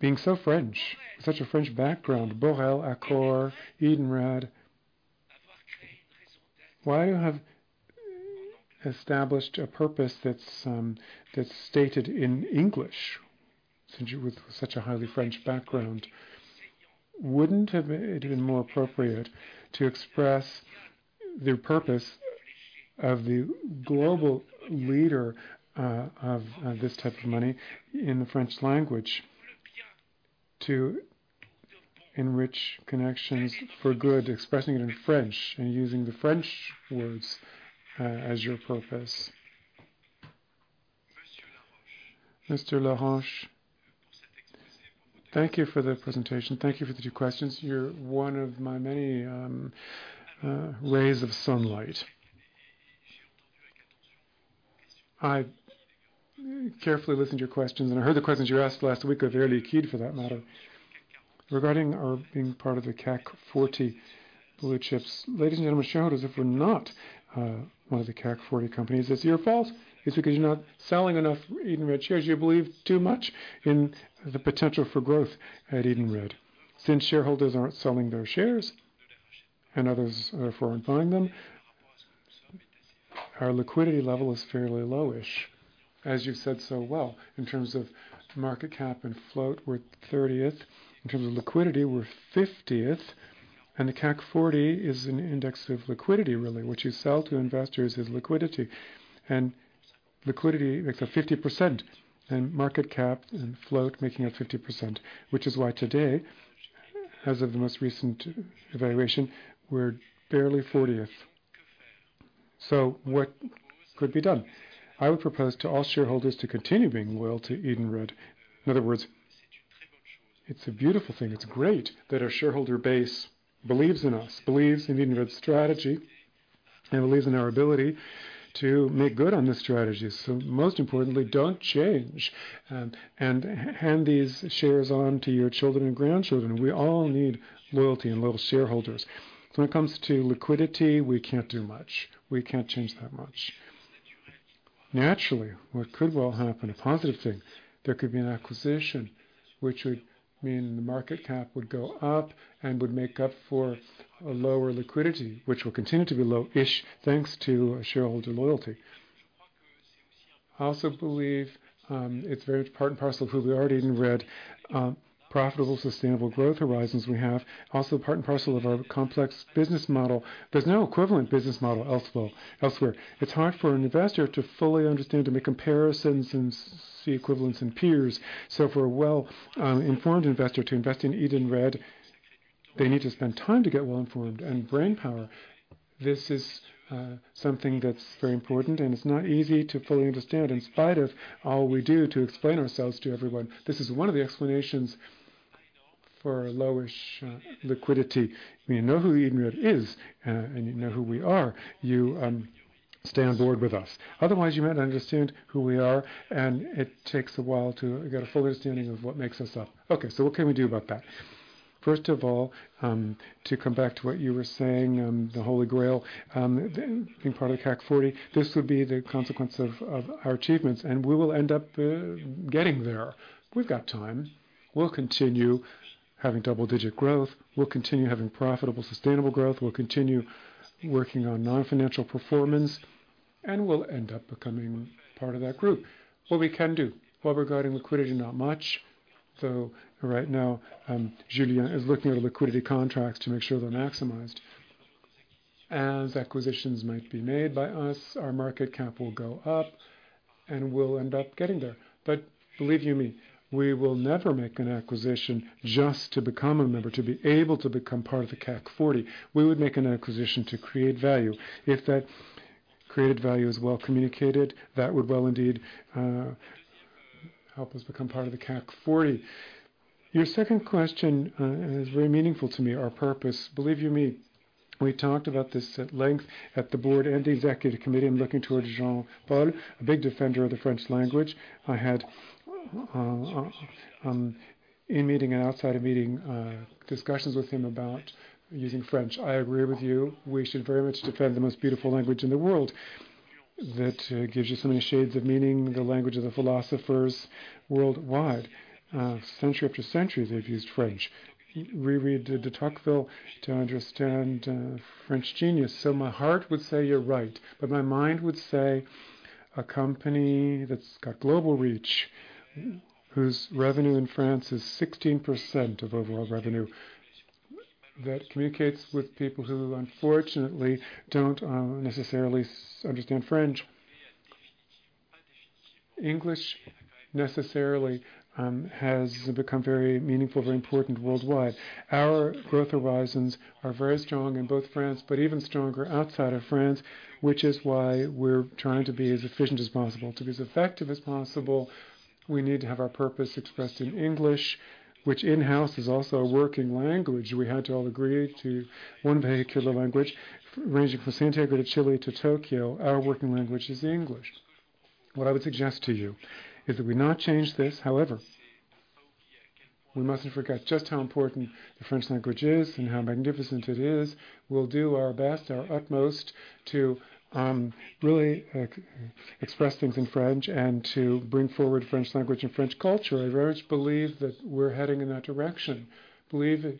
Being so French, such a French background, Borel, Accor, Edenred, why have established a purpose that's stated in English since you're with such a highly French background? Wouldn't it have been more appropriate to express the purpose of the global leader of this type of money in the French language? To enrich connections for good, expressing it in French and using the French words as your purpose. Mr. Larocque, thank you for the presentation. Thank you for the two questions. You're one of my many rays of sunlight. I carefully listened to your questions, and I heard the questions you asked last week of Alain Gal, for that matter. Regarding our being part of the CAC 40 blue chips. Ladies and gentlemen, shareholders, if we're not one of the CAC 40 companies, it's your fault. It's because you're not selling enough Edenred shares. You believe too much in the potential for growth at Edenred. Since shareholders aren't selling their shares and others therefore aren't buying them, our liquidity level is fairly low-ish, as you said so well. In terms of market cap and float, we're 30th. In terms of liquidity, we're 50th. The CAC 40 is an index of liquidity, really. What you sell to investors is liquidity. Liquidity makes up 50% and market cap and float making up 50%, which is why today, as of the most recent evaluation, we're barely 40th. What could be done? I would propose to all shareholders to continue being loyal to Edenred. In other words, it's a beautiful thing. It's great that our shareholder base believes in us, believes in Edenred's strategy, and believes in our ability to make good on this strategy. Most importantly, don't change and hand these shares on to your children and grandchildren. We all need loyalty and loyal shareholders. When it comes to liquidity, we can't do much. We can't change that much. Naturally, what could well happen, a positive thing, there could be an acquisition, which would mean the market cap would go up and would make up for a lower liquidity, which will continue to be low-ish, thanks to shareholder loyalty. I also believe, it's very part and parcel of who we are at Edenred, profitable, sustainable growth horizons we have. Also part and parcel of our complex business model. There's no equivalent business model elsewhere. It's hard for an Investor to fully understand and make comparisons and see equivalents and peers. So for a well, informed investor to invest in Edenred, they need to spend time to get well-informed and brainpower. This is something that's very important, and it's not easy to fully understand in spite of all we do to explain ourselves to everyone. This is one of the explanations for low-ish liquidity. When you know who Edenred is and you know who we are, you stay on board with us. Otherwise, you might not understand who we are, and it takes a while to get a full understanding of what makes us up. Okay, so what can we do about that? First of all, to come back to what you were saying, the Holy Grail being part of the CAC 40, this would be the consequence of our achievements, and we will end up getting there. We've got time. We'll continue having double-digit growth. We'll continue having profitable, sustainable growth. We'll continue working on non-financial performance, and we'll end up becoming part of that group. What we can do. Well, regarding liquidity, not much. Right now, Julien is looking at liquidity contracts to make sure they're maximized. As acquisitions might be made by us, our market cap will go up, and we'll end up getting there. Believe you me, we will never make an acquisition just to become a member, to be able to become part of the CAC 40. We would make an acquisition to create value. If that created value is well communicated, that would well indeed help us become part of the CAC 40. Your second question is very meaningful to me, our purpose. Believe you me, we talked about this at length at the board and executive committee. I'm looking towards Jean-Paul, a big defender of the French language. I had in meeting and outside of meeting discussions with him about using French. I agree with you. We should very much defend the most beautiful language in the world that gives you so many shades of meaning, the language of the philosophers worldwide. Century after century, they've used French. We read de Tocqueville to understand French genius. My heart would say you're right, but my mind would say a company that's got global reach, whose revenue in France is 16% of overall revenue, that communicates with people who unfortunately don't necessarily understand French. English necessarily has become very meaningful, very important worldwide. Our growth horizons are very strong in both France, but even stronger outside of France, which is why we're trying to be as efficient as possible. To be as effective as possible, we need to have our purpose expressed in English, which in-house is also our working language. We had to all agree to one vehicular language. Ranging from Santiago to Chile to Tokyo, our working language is English. What I would suggest to you is that we not change this. However, we mustn't forget just how important the French language is and how magnificent it is. We'll do our best, our utmost to really express things in French and to bring forward French language and French culture. I very much believe that we're heading in that direction. Believe it.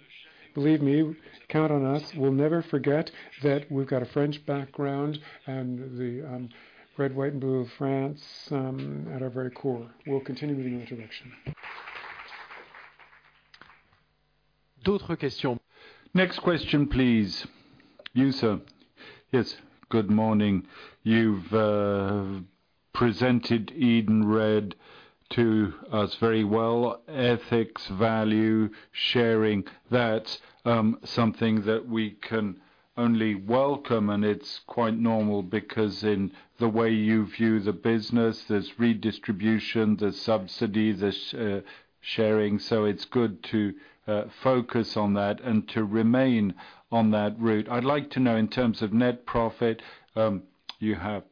Believe me, count on us. We'll never forget that we've got a French background and the red, white and blue of France at our very core. We'll continue leading in that direction. D'autre question? Next question, please. You, sir. Yes. Good morning. You've presented Edenred to us very well. Ethics, value, sharing, that's something that we can only welcome, and it's quite normal because in the way you view the business, there's redistribution, there's subsidy, there's sharing. So it's good to focus on that and to remain on that route. I'd like to know in terms of net profit, you have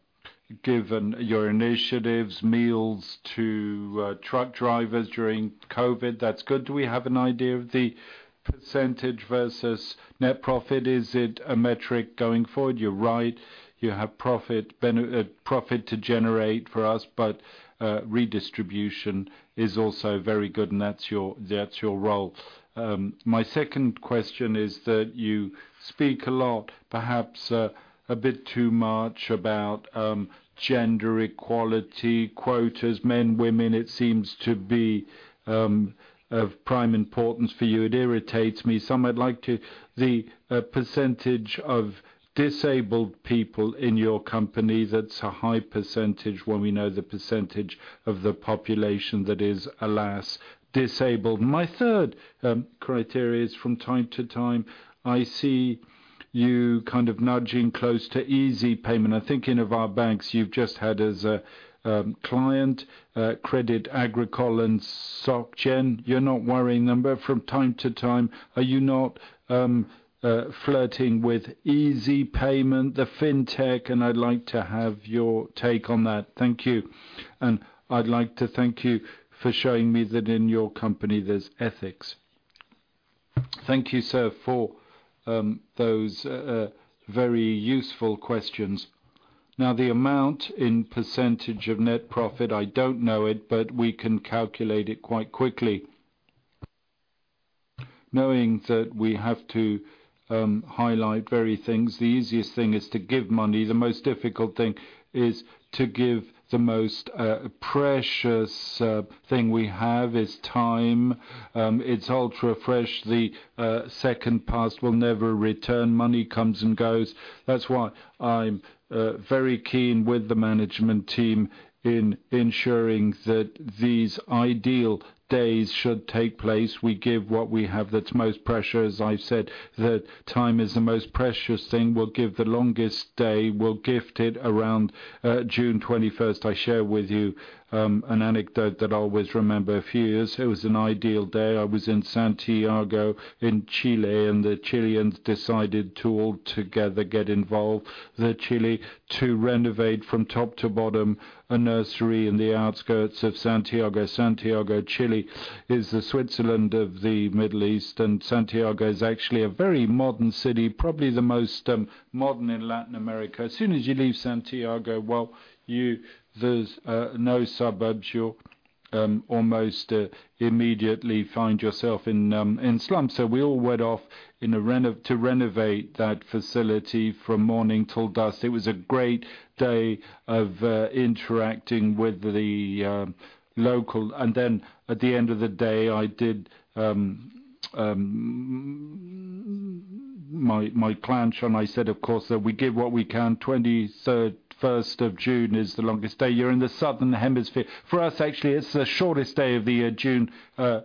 given your initiatives, meals to truck drivers during COVID. That's good. Do we have an idea of the percentage versus net profit? Is it a metric going forward? You're right, you have profit to generate for us, but redistribution is also very good, and that's your role. My second question is that you speak a lot, perhaps a bit too much about gender equality quotas, men, women. It seems to be of prime importance for you. It irritates me. The percentage of disabled people in your company, that's a high percentage when we know the percentage of the population that is, alas, disabled. My third criteria is from time to time, I see you kind of nudging close to easy payment. I'm thinking of our banks you've just had as a client, Crédit Agricole and Société Générale. You're not worrying them, but from time to time, are you not flirting with easy payment, the fintech, and I'd like to have your take on that. Thank you. I'd like to thank you for showing me that in your company there's ethics. Thank you, sir, for those very useful questions. Now, the amount in percentage of net profit, I don't know it, but we can calculate it quite quickly. Knowing that we have to highlight various things, the easiest thing is to give money. The most difficult thing is to give the most precious thing we have is time. It's ultra fresh. The second passed will never return. Money comes and goes. That's why I'm very keen with the management team in ensuring that these Ideal Days should take place. We give what we have that's most precious. I've said that time is the most precious thing. We'll give the longest day. We'll gift it around June 21st. I share with you an anecdote that I'll always remember. A few years, it was an Ideal Day. I was in Santiago in Chile, and the Chileans decided to all together get involved to renovate from top to bottom a nursery in the outskirts of Santiago. Santiago, Chile, is the Switzerland of the Middle East, and Santiago is actually a very modern city, probably the most modern in Latin America. As soon as you leave Santiago, there's no suburbs. You almost immediately find yourself in slums. We all went off to renovate that facility from morning till dusk. It was a great day of interacting with the local. Then at the end of the day, I did my plan, and I said, of course, that we give what we can. 21st of June is the longest day. You're in the Southern Hemisphere. For us, actually, it's the shortest day of the year, June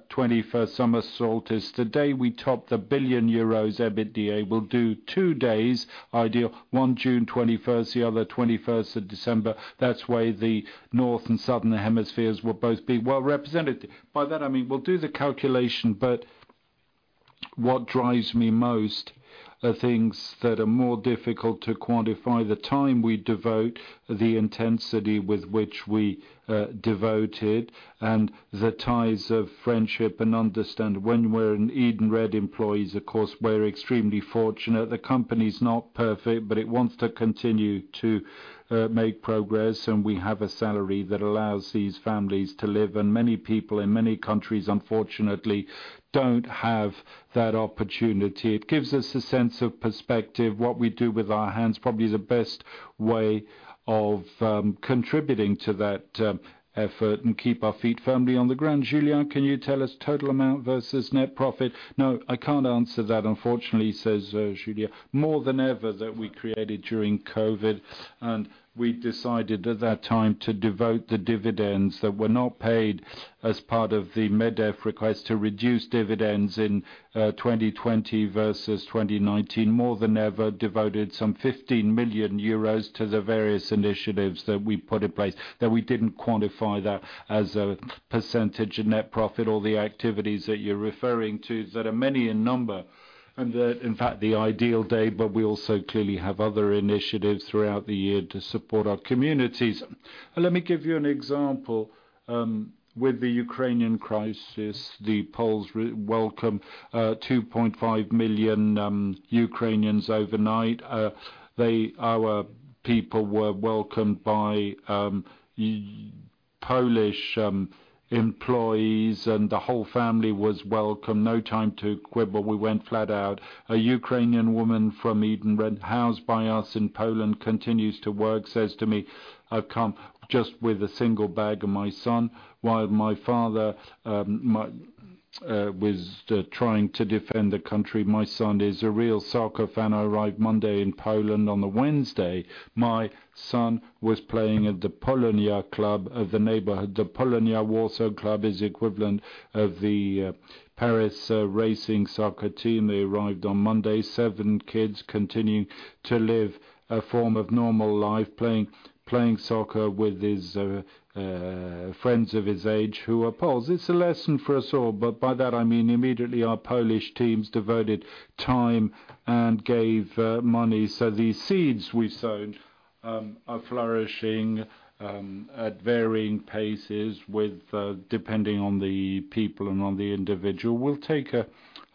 21, summer solstice. The day we top the 1 billion euros EBITDA, we'll do two days ideal, one June 21st, the other December 21st. That way, the North and Southern Hemispheres will both be well-represented. By that, I mean, we'll do the calculation, but what drives me most are things that are more difficult to quantify. The time we devote, the intensity with which we devote it, and the ties of friendship and understanding. When we're Edenred employees, of course, we're extremely fortunate. The company's not perfect, but it wants to continue to make progress, and we have a salary that allows these families to live, and many people in many countries, unfortunately, don't have that opportunity. It gives us a sense of perspective. What we do with our hands probably is the best way of contributing to that effort and keep our feet firmly on the ground. Julien, can you tell us total amount versus net profit? No, I can't answer that, unfortunately, says Julien. More than ever that we created during COVID, and we decided at that time to devote the dividends that were not paid as part of the MEDEF request to reduce dividends in 2020 versus 2019. More than ever devoted some 15 million euros to the various initiatives that we put in place, that we didn't quantify that as a percentage of net profit or the activities that you're referring to that are many in number. That, in fact, the Ideal Day, but we also clearly have other initiatives throughout the year to support our communities. Let me give you an example. With the Ukrainian crisis, the Poles re-welcomed 2.5 million Ukrainians overnight. Our people were welcomed by Polish employees, and the whole family was welcome. No time to quibble. We went flat out. A Ukrainian woman from Edenred, housed by us in Poland, continues to work, says to me, "I've come just with a single bag and my son, while my father was trying to defend the country. My son is a real soccer fan. I arrived Monday in Poland. On the Wednesday, my son was playing at the Polonia Club of the neighborhood. The Polonia Warsaw Club is equivalent of the Paris Racing Club de France soccer team. They arrived on Monday. Seven kids continue to live a form of normal life, playing soccer with his friends of his age who are Poles. It's a lesson for us all. By that, I mean, immediately our Polish teams devoted time and gave money. The seeds we sowed are flourishing at varying paces depending on the people and on the individual. We'll take a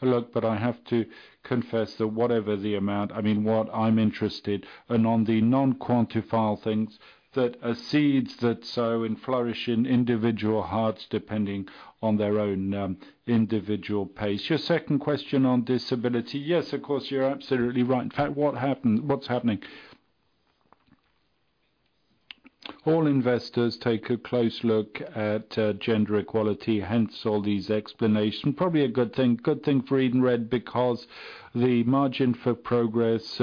look, but I have to confess that whatever the amount, I mean, what I'm interested in the non-quantifiable things that are seeds that sow and flourish in individual hearts depending on their own individual pace. Your second question on disability, yes, of course, you're absolutely right. In fact, what happened. What's happening. All investors take a close look at gender equality, hence all these explanations. Probably a good thing, good thing for Edenred because the margin for progress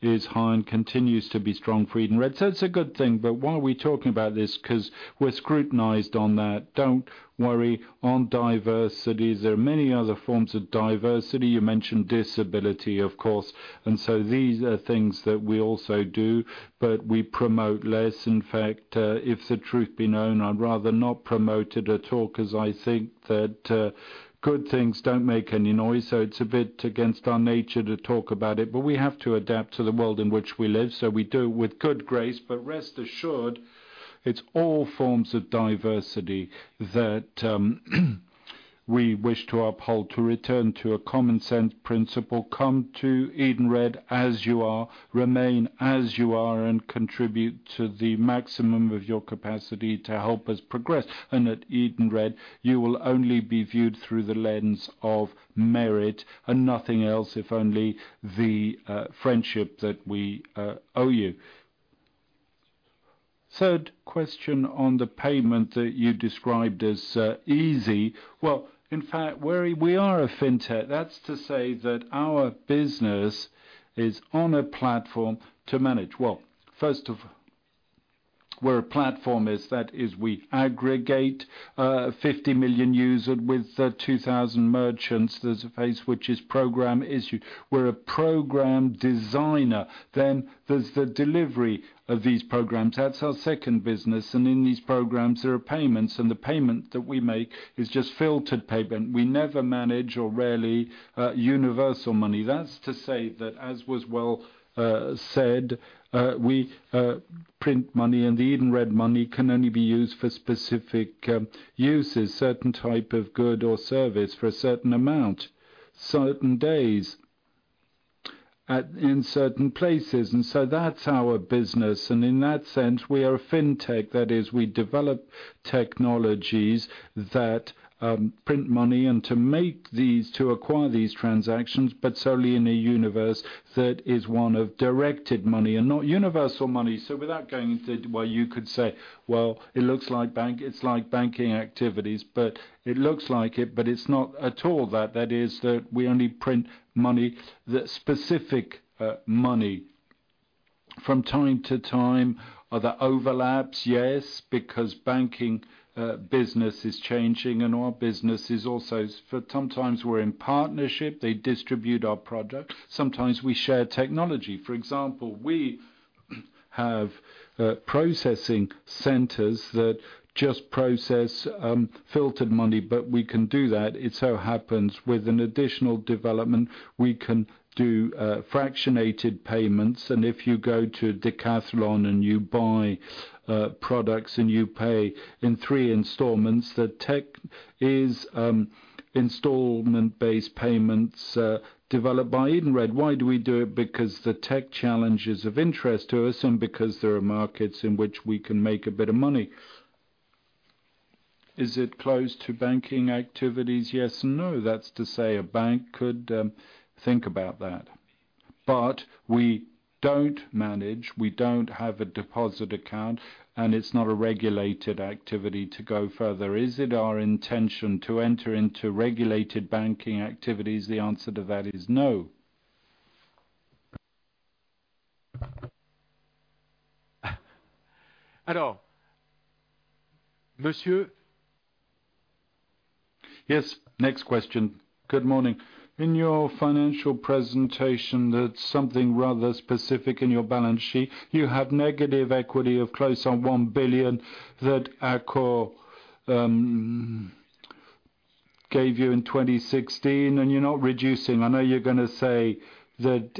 is high and continues to be strong for Edenred. It's a good thing. Why are we talking about this. 'Cause we're scrutinized on that. Don't worry. On diversity, there are many other forms of diversity. You mentioned disability, of course. These are things that we also do, but we promote less. In fact, if the truth be known, I'd rather not promote it at all 'cause I think that good things don't make any noise. It's a bit against our nature to talk about it, but we have to adapt to the world in which we live. We do with good grace, but rest assured, it's all forms of diversity that we wish to uphold to return to a common sense principle. Come to Edenred as you are, remain as you are, and contribute to the maximum of your capacity to help us progress. At Edenred, you will only be viewed through the lens of merit and nothing else, if only the friendship that we owe you. Third question on the payment that you described as easy. Well, in fact, we are a fintech. That's to say that our business is on a platform to manage. Well, first of all, we are a platform, that is, we aggregate 50 million users with 2,000 merchants. There's a phase which is program issuance. We are a program designer. Then there's the delivery of these programs. That's our second business. In these programs, there are payments, and the payment that we make is just filtered payment. We never manage or rarely universal money. That's to say that, as was well said, we print money, and the Edenred money can only be used for specific uses, certain type of good or service for a certain amount, certain days in certain places. That's our business. In that sense, we are a fintech. That is, we develop technologies that print money and to make these, to acquire these transactions, but solely in a universe that is one of directed money and not universal money. Without going into. Well, you could say, "Well, it looks like bank, it's like banking activities," but it looks like it, but it's not at all that. That is that we only print money, the specific money from time-to-time. Are there overlaps? Yes, because banking business is changing and our business is also. Sometimes we're in partnership, they distribute our product. Sometimes we share technology. For example, we have processing centers that just process filtered money, but we can do that. It so happens with an additional development, we can do fractionated payments. If you go to Decathlon and you buy products and you pay in three installments, the tech is installment-based payments developed by Edenred. Why do we do it? Because the tech challenge is of interest to us and because there are markets in which we can make a bit of money. Is it close to banking activities? Yes and no. That's to say a bank could think about that. We don't manage. We don't have a deposit account, and it's not a regulated activity to go further. Is it our intention to enter into regulated banking activities? The answer to that is no. Hello. Monsieur. Yes. Next question. Good morning. In your financial presentation, there's something rather specific in your balance sheet. You have negative equity of close on 1 billion that Accor gave you in 2016, and you're not reducing. I know you're gonna say that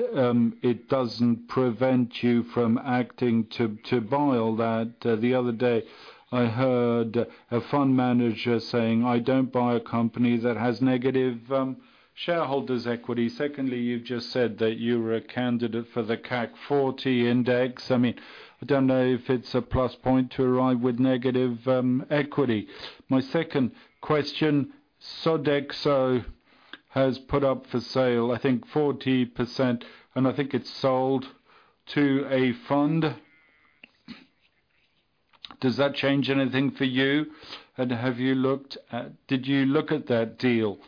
it doesn't prevent you from acting to buy all that. The other day, I heard a fund manager saying, "I don't buy a company that has negative shareholders' equity." Secondly, you've just said that you were a candidate for the CAC 40 index. I mean, I don't know if it's a plus point to arrive with negative equity. My second question, Sodexo has put up for sale, I think 40%, and I think it's sold to a fund. Does that change anything for you? And have you looked at? Did you look at that deal?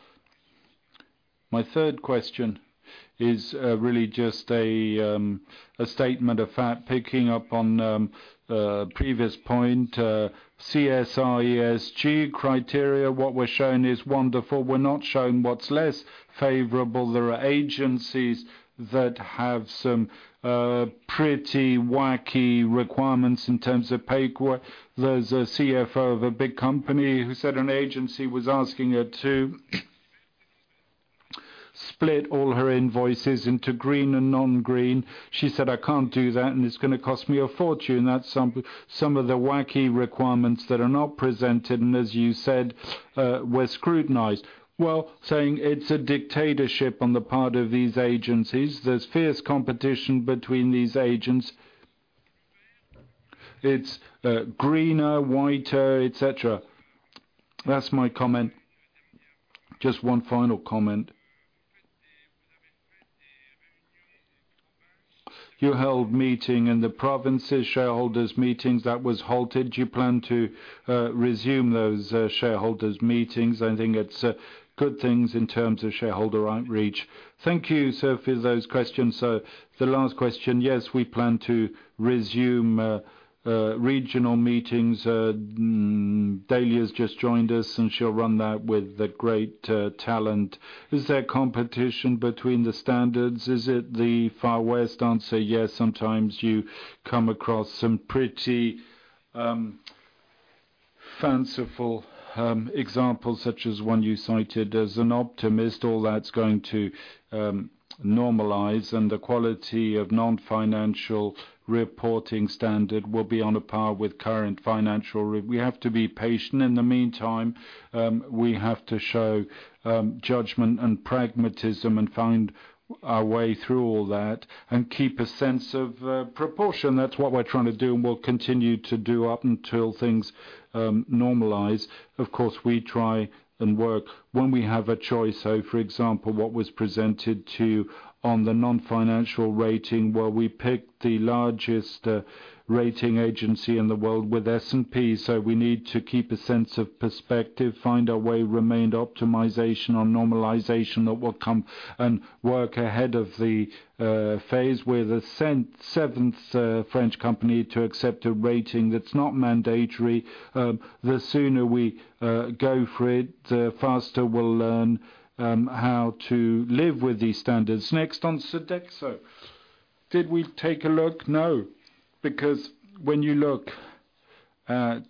My third question is really just a statement of fact picking up on a previous point, CSR, ESG criteria. What we're showing is wonderful. We're not showing what's less favorable. There are agencies that have some pretty wacky requirements in terms of pay. There's a CFO of a big company who said an agency was asking her to split all her invoices into green and non-green. She said, "I can't do that, and it's gonna cost me a fortune." That's some of the wacky requirements that are not presented, and as you said, were scrutinized. Well, saying it's a dictatorship on the part of these agencies. There's fierce competition between these agents. It's greener, whiter, etc. That's my comment. Just one final comment. You held meeting in the provinces, shareholders meetings that was halted. Do you plan to resume those shareholders meetings? I think it's good things in terms of shareholder outreach. Thank you, sir, for those questions. The last question, yes, we plan to resume regional meetings. Dahlia has just joined us, and she'll run that with the great talent. Is there competition between the standards? Is it the Wild West? Answer, yes. Sometimes you come across some pretty fanciful examples, such as one you cited. As an optimist, all that's going to normalize, and the quality of non-financial reporting standard will be on a par with current financial. We have to be patient. In the meantime, we have to show judgment and pragmatism and find our way through all that and keep a sense of proportion. That's what we're trying to do, and we'll continue to do up until things normalize. Of course, we try and work when we have a choice. For example, what was presented to you on the non-financial rating, well, we picked the largest rating agency in the world with S&P. We need to keep a sense of perspective, find our way, remain optimization on normalization that will come and work ahead of the phase. We're the seventh French company to accept a rating that's not mandatory. The sooner we go for it, the faster we'll learn how to live with these standards. Next on Sodexo. Did we take a look? No. Because when you look at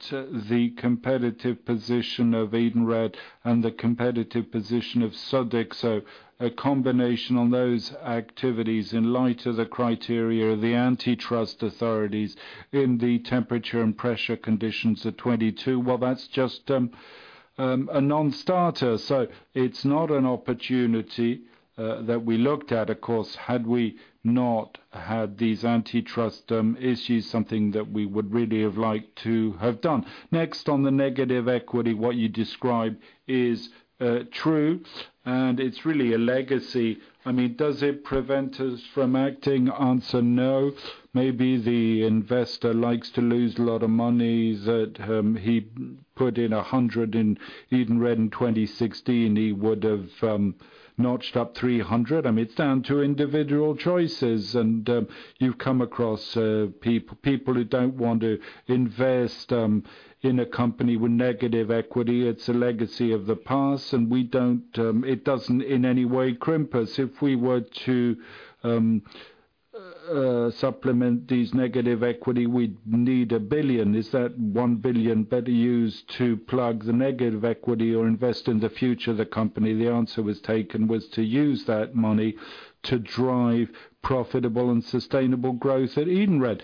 the competitive position of Edenred and the competitive position of Sodexo, a combination on those activities in light of the criteria of the antitrust authorities in the temperature and pressure conditions in 2022, well, that's just a non-starter. It's not an opportunity that we looked at. Of course, had we not had these antitrust issues, something that we would really have liked to have done. Next, on the negative equity. What you describe is true, and it's really a legacy. I mean, does it prevent us from acting? Answer, no. Maybe the investor likes to lose a lot of money that he put in 100 in Edenred in 2016, he would have notched up 300. I mean, it's down to individual choices. You come across people who don't want to invest in a company with negative equity. It's a legacy of the past. It doesn't in any way crimp us. If we were to supplement these negative equity, we'd need 1 billion. Is that 1 billion better used to plug the negative equity or invest in the future of the company? The answer was to use that money to drive profitable and sustainable growth at Edenred.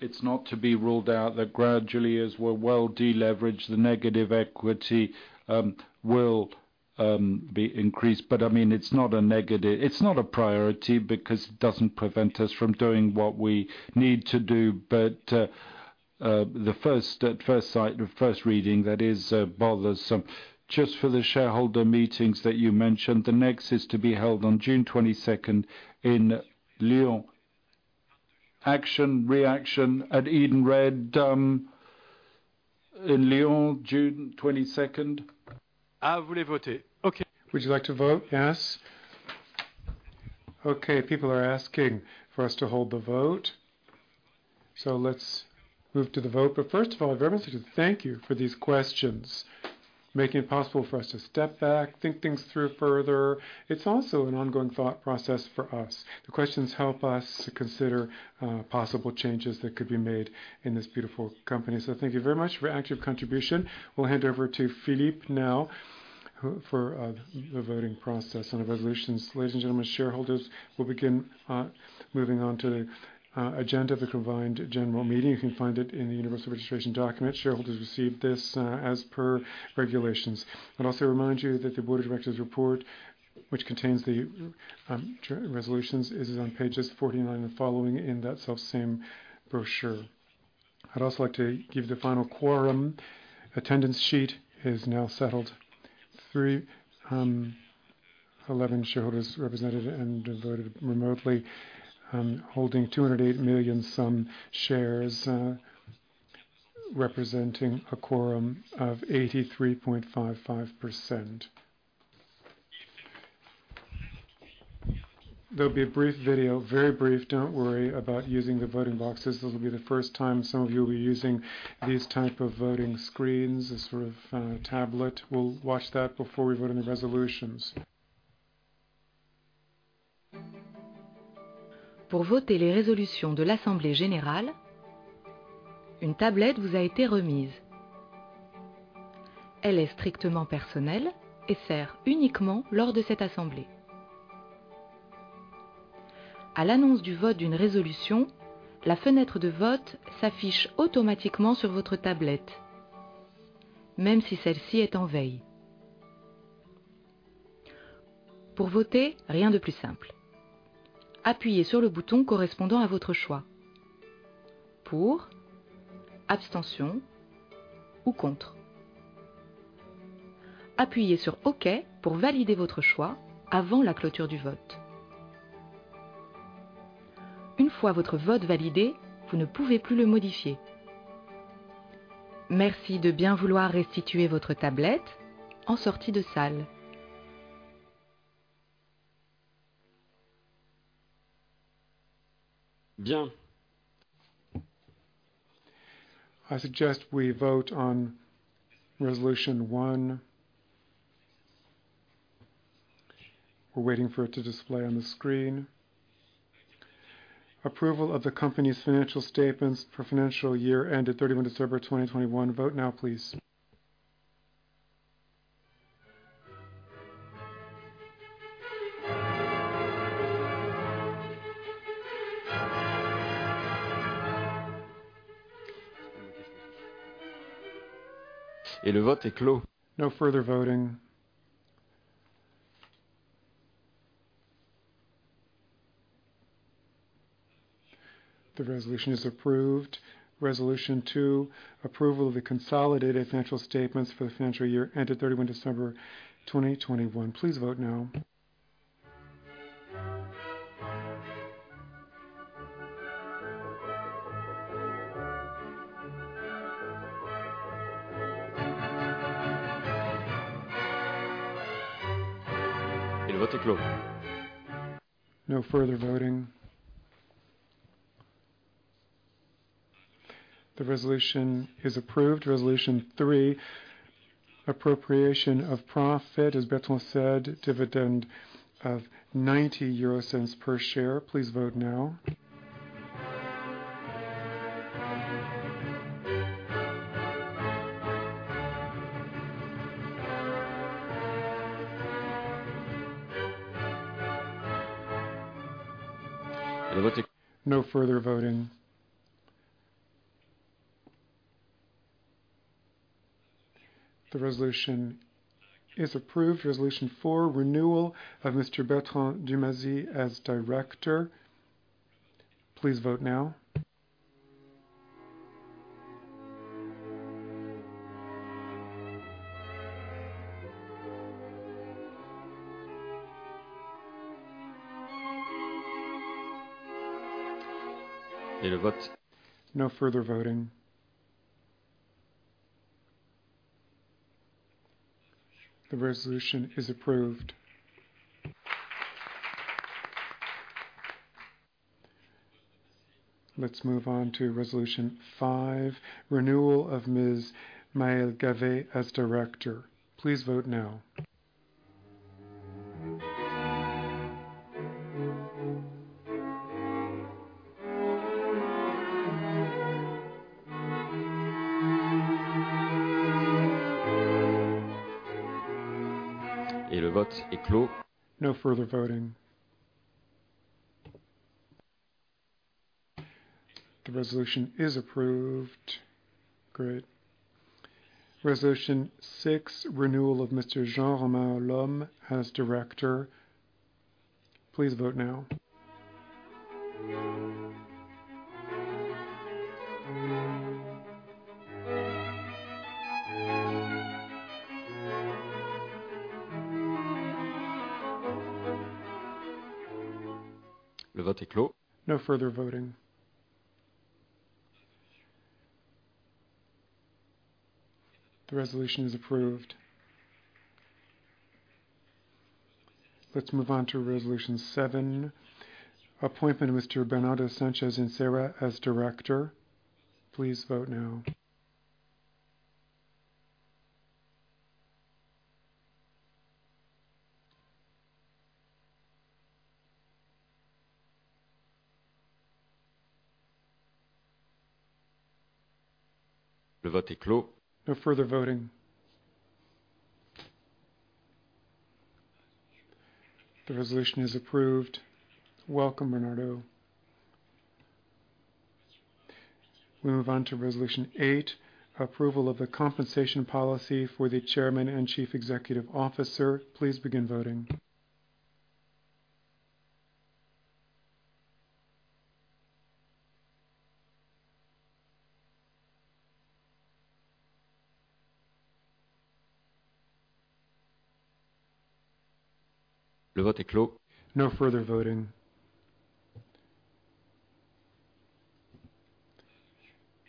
It's not to be ruled out that gradually, as we're well de-leveraged, the negative equity will be increased. I mean, it's not a negative. It's not a priority because it doesn't prevent us from doing what we need to do. At first sight, the first reading, that is, bothersome. Just for the shareholder meetings that you mentioned, the next is to be held on June 22nd in Lyon. Action, reaction at Edenred in Lyon, June 22nd. Would you like to vote? Yes. Okay. People are asking for us to hold the vote. Let's move to the vote. First of all, I very much want to thank you for these questions, making it possible for us to step back, think things through further. It's also an ongoing thought process for us. The questions help us to consider possible changes that could be made in this beautiful company. Thank you very much for your active contribution. We'll hand over to Philippe now for the voting process and the resolutions. Ladies and gentlemen shareholders, we'll begin moving on to the agenda of the combined general meeting. You can find it in the universal registration document. Shareholders received this as per regulations. I'd also remind you that the Board of Directors report, which contains the resolutions, is on pages 49 and following in that self same brochure. I'd also like to give the final quorum. Attendance sheet is now settled. 311 shareholders represented and voted remotely, holding 208 million shares, representing a quorum of 83.55%. There'll be a brief video. Very brief. Don't worry about using the voting boxes. This will be the first time some of you will be using these type of voting screens, a sort of tablet. We'll watch that before we vote on the resolutions. Pour voter les résolutions de l'Assemblée Générale, une tablette vous a été remise. Elle est strictement personnelle et sert uniquement lors de cette assemblée. À l'annonce du vote d'une résolution, la fenêtre de vote s'affiche automatiquement sur votre tablette, même si celle-ci est en veille. Pour voter, rien de plus simple. Appuyez sur le bouton correspondant à votre choix, Pour, Abstention ou Contre. Appuyez sur OK pour valider votre choix avant la clôture du vote. Une fois votre vote validé, vous ne pouvez plus le modifier. Merci de bien vouloir restituer votre tablette en sortie de salle. Bien. I suggest we vote on resolution one. We're waiting for it to display on the screen. Approval of the company's financial statements for financial year ended 31 December 2021. Vote now, please. Le vote est clos. No further voting. The resolution is approved. Resolution two, approval of the consolidated financial statements for the financial year ended 31 December 2021. Please vote now. Le vote est clos. No further voting. The resolution is approved. Resolution three, appropriation of profit. As Bertrand said, dividend of 0.90 per share. Please vote now. Le vote est. No further voting. The resolution is approved. Resolution four, renewal of Mr. Bertrand Dumazy as Director. Please vote now. Le vote. No further voting. The resolution is approved. Let's move on to resolution five, renewal of Ms. Maëlle Gavet as Director. Please vote now. Le vote est clos. No further voting. The resolution is approved. Great. Resolution six, renewal of Mr. Jean-Romain Lhomme as Director. Please vote now. Le vote est clos. No further voting. The resolution is approved. Let's move on to resolution seven, appointment of Mr. Bernardo Sanchez Incera as Director. Please vote now. Le vote est clos. No further voting. The resolution is approved. Welcome, Bernardo. We move on to resolution eight, approval of the compensation policy for the Chairman and Chief Executive Officer. Please begin voting. Le vote est clos. No further voting.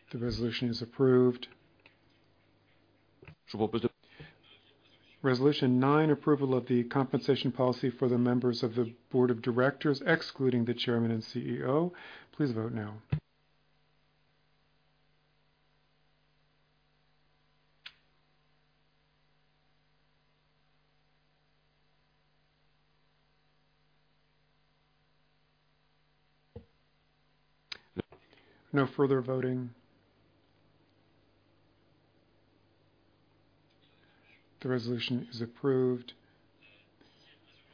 The resolution is approved. Resolution nine, approval of the compensation policy for the members of the Board of Directors, excluding the Chairman and CEO. Please vote now. No further voting. The resolution is approved.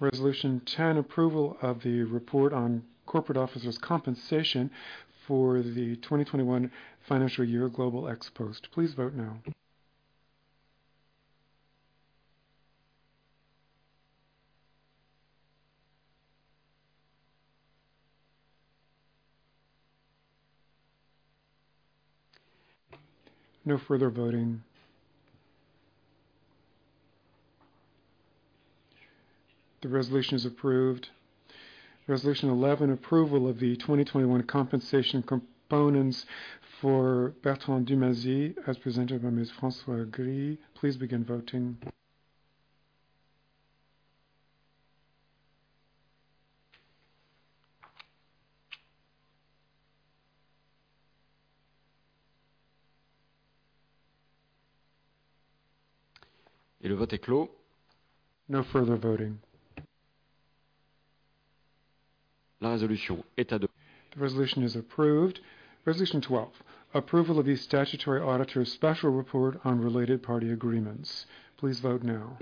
Resolution 10, approval of the report on corporate officers compensation for the 2021 financial year global ex-post. Please vote now. No further voting. The resolution is approved. Resolution 11, approval of the 2021 compensation components for Bertrand Dumazy as presented by Ms. Françoise Gri. Please begin voting. Le vote est clos. No further voting. La résolution est adoptée. The resolution is approved. Resolution 12, approval of the statutory auditor's special report on related party agreements. Please vote now.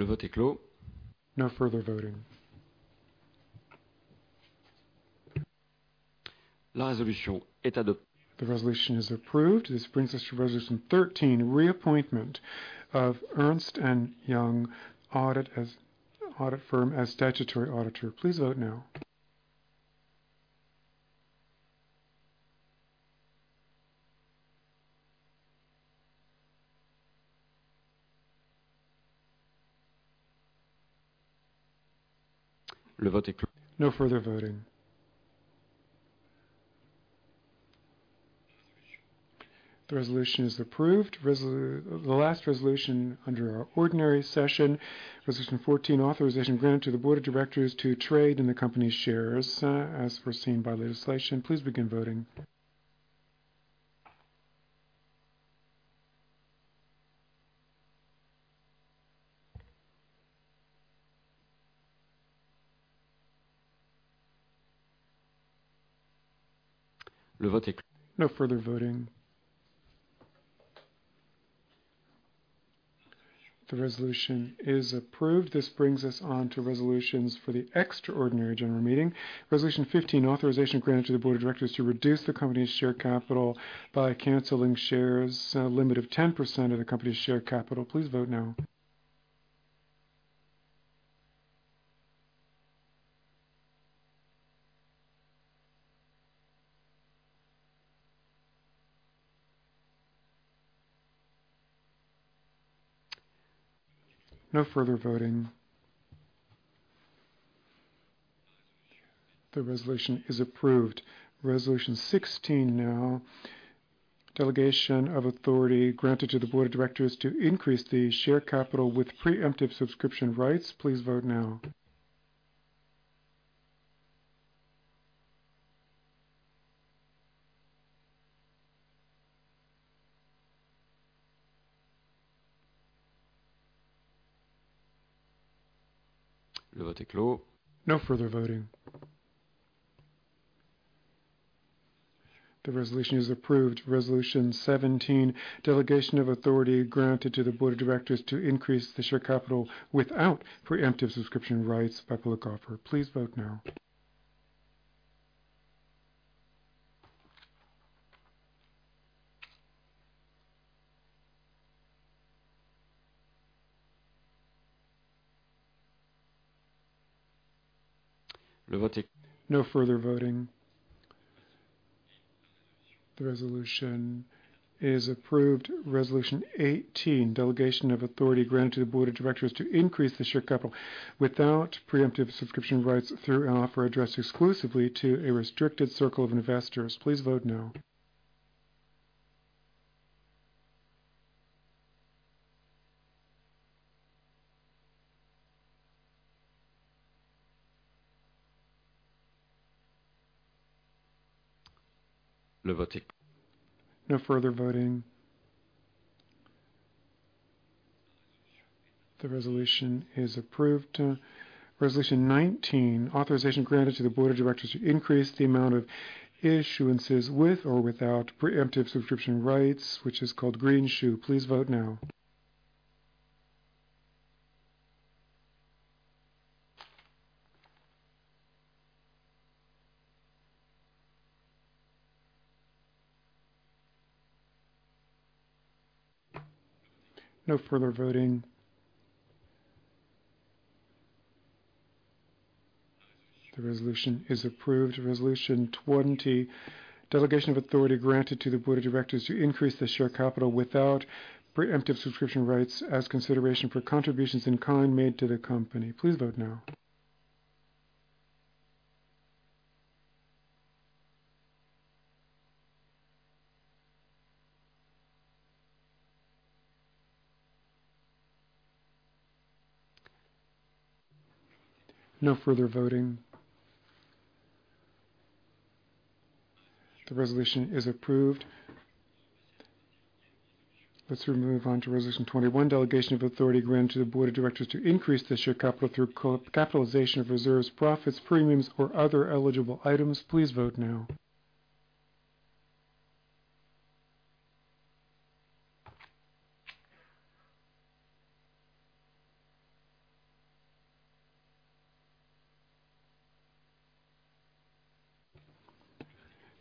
Le vote est clos. No further voting. La résolution est adoptée. The resolution is approved. This brings us to resolution 13, reappointment of Ernst & Young Audit as Statutory Auditor. Please vote now. Le vote est clos. No further voting. The resolution is approved. The last resolution under our ordinary session, resolution 14, authorization granted to the Board of Directors to trade in the company's shares, as foreseen by legislation. Please begin voting. Le vote est clos. No further voting. The resolution is approved. This brings us on to resolutions for the extraordinary general meeting. Resolution 15, authorization granted to the Board of Directors to reduce the company's share capital by canceling shares, limit of 10% of the company's share capital. Please vote now. No further voting. The resolution is approved. Resolution 16 now, delegation of authority granted to the Board of Directors to increase the share capital with preemptive subscription rights. Please vote now. Le vote est clos. No further voting. The resolution is approved. Resolution 17, delegation of authority granted to the Board of Directors to increase the share capital without preemptive subscription rights by public offer. Please vote now. Le vote est. No further voting. The resolution is approved. Resolution 18, delegation of authority granted to the Board of Directors to increase the share capital without preemptive subscription rights through an offer addressed exclusively to a restricted circle of investors. Please vote now. Le vote est. No further voting. The resolution is approved. Resolution 19, authorization granted to the Board of Directors to increase the amount of issuances with or without preemptive subscription rights, which is called greenshoe. Please vote now. No further voting. The resolution is approved. Resolution 20, delegation of authority granted to the Board of Directors to increase the share capital without preemptive subscription rights as consideration for contributions in kind made to the company. Please vote now. No further voting. The resolution is approved. Let's move on to resolution 21. Delegation of authority granted to the Board of Directors to increase the share capital through co-capitalization of reserves, profits, premiums or other eligible items. Please vote now.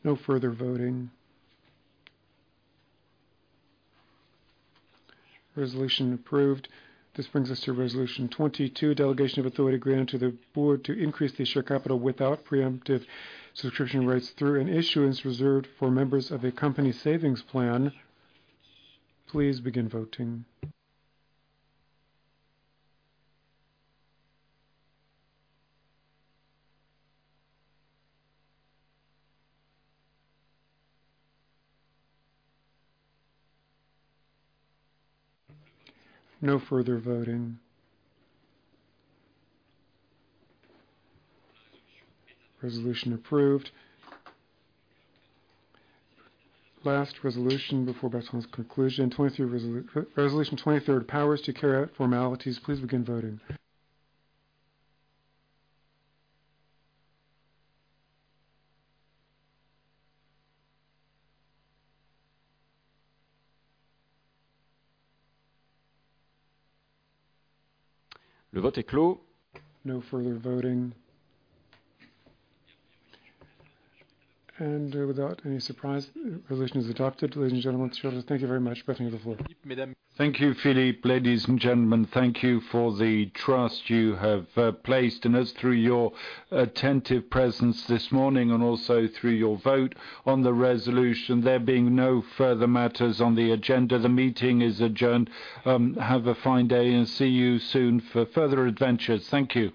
No further voting. Resolution approved. This brings us to resolution 22. Delegation of authority granted to the Board to increase the share capital without preemptive subscription rights through an issuance reserved for members of a company savings plan. Please begin voting. No further voting. Resolution approved. Last resolution before Bertrand's conclusion. 23rd resolution, powers to carry out formalities. Please begin voting. No further voting. Without any surprise, resolution is adopted. Ladies and gentlemen, shareholders, thank you very much. Bertrand, you have the floor. Thank you, Philippe. Ladies and gentlemen, thank you for the trust you have placed in us through your attentive presence this morning and also through your vote on the resolution. There being no further matters on the agenda, the meeting is adjourned. Have a fine day and see you soon for further adventures. Thank you.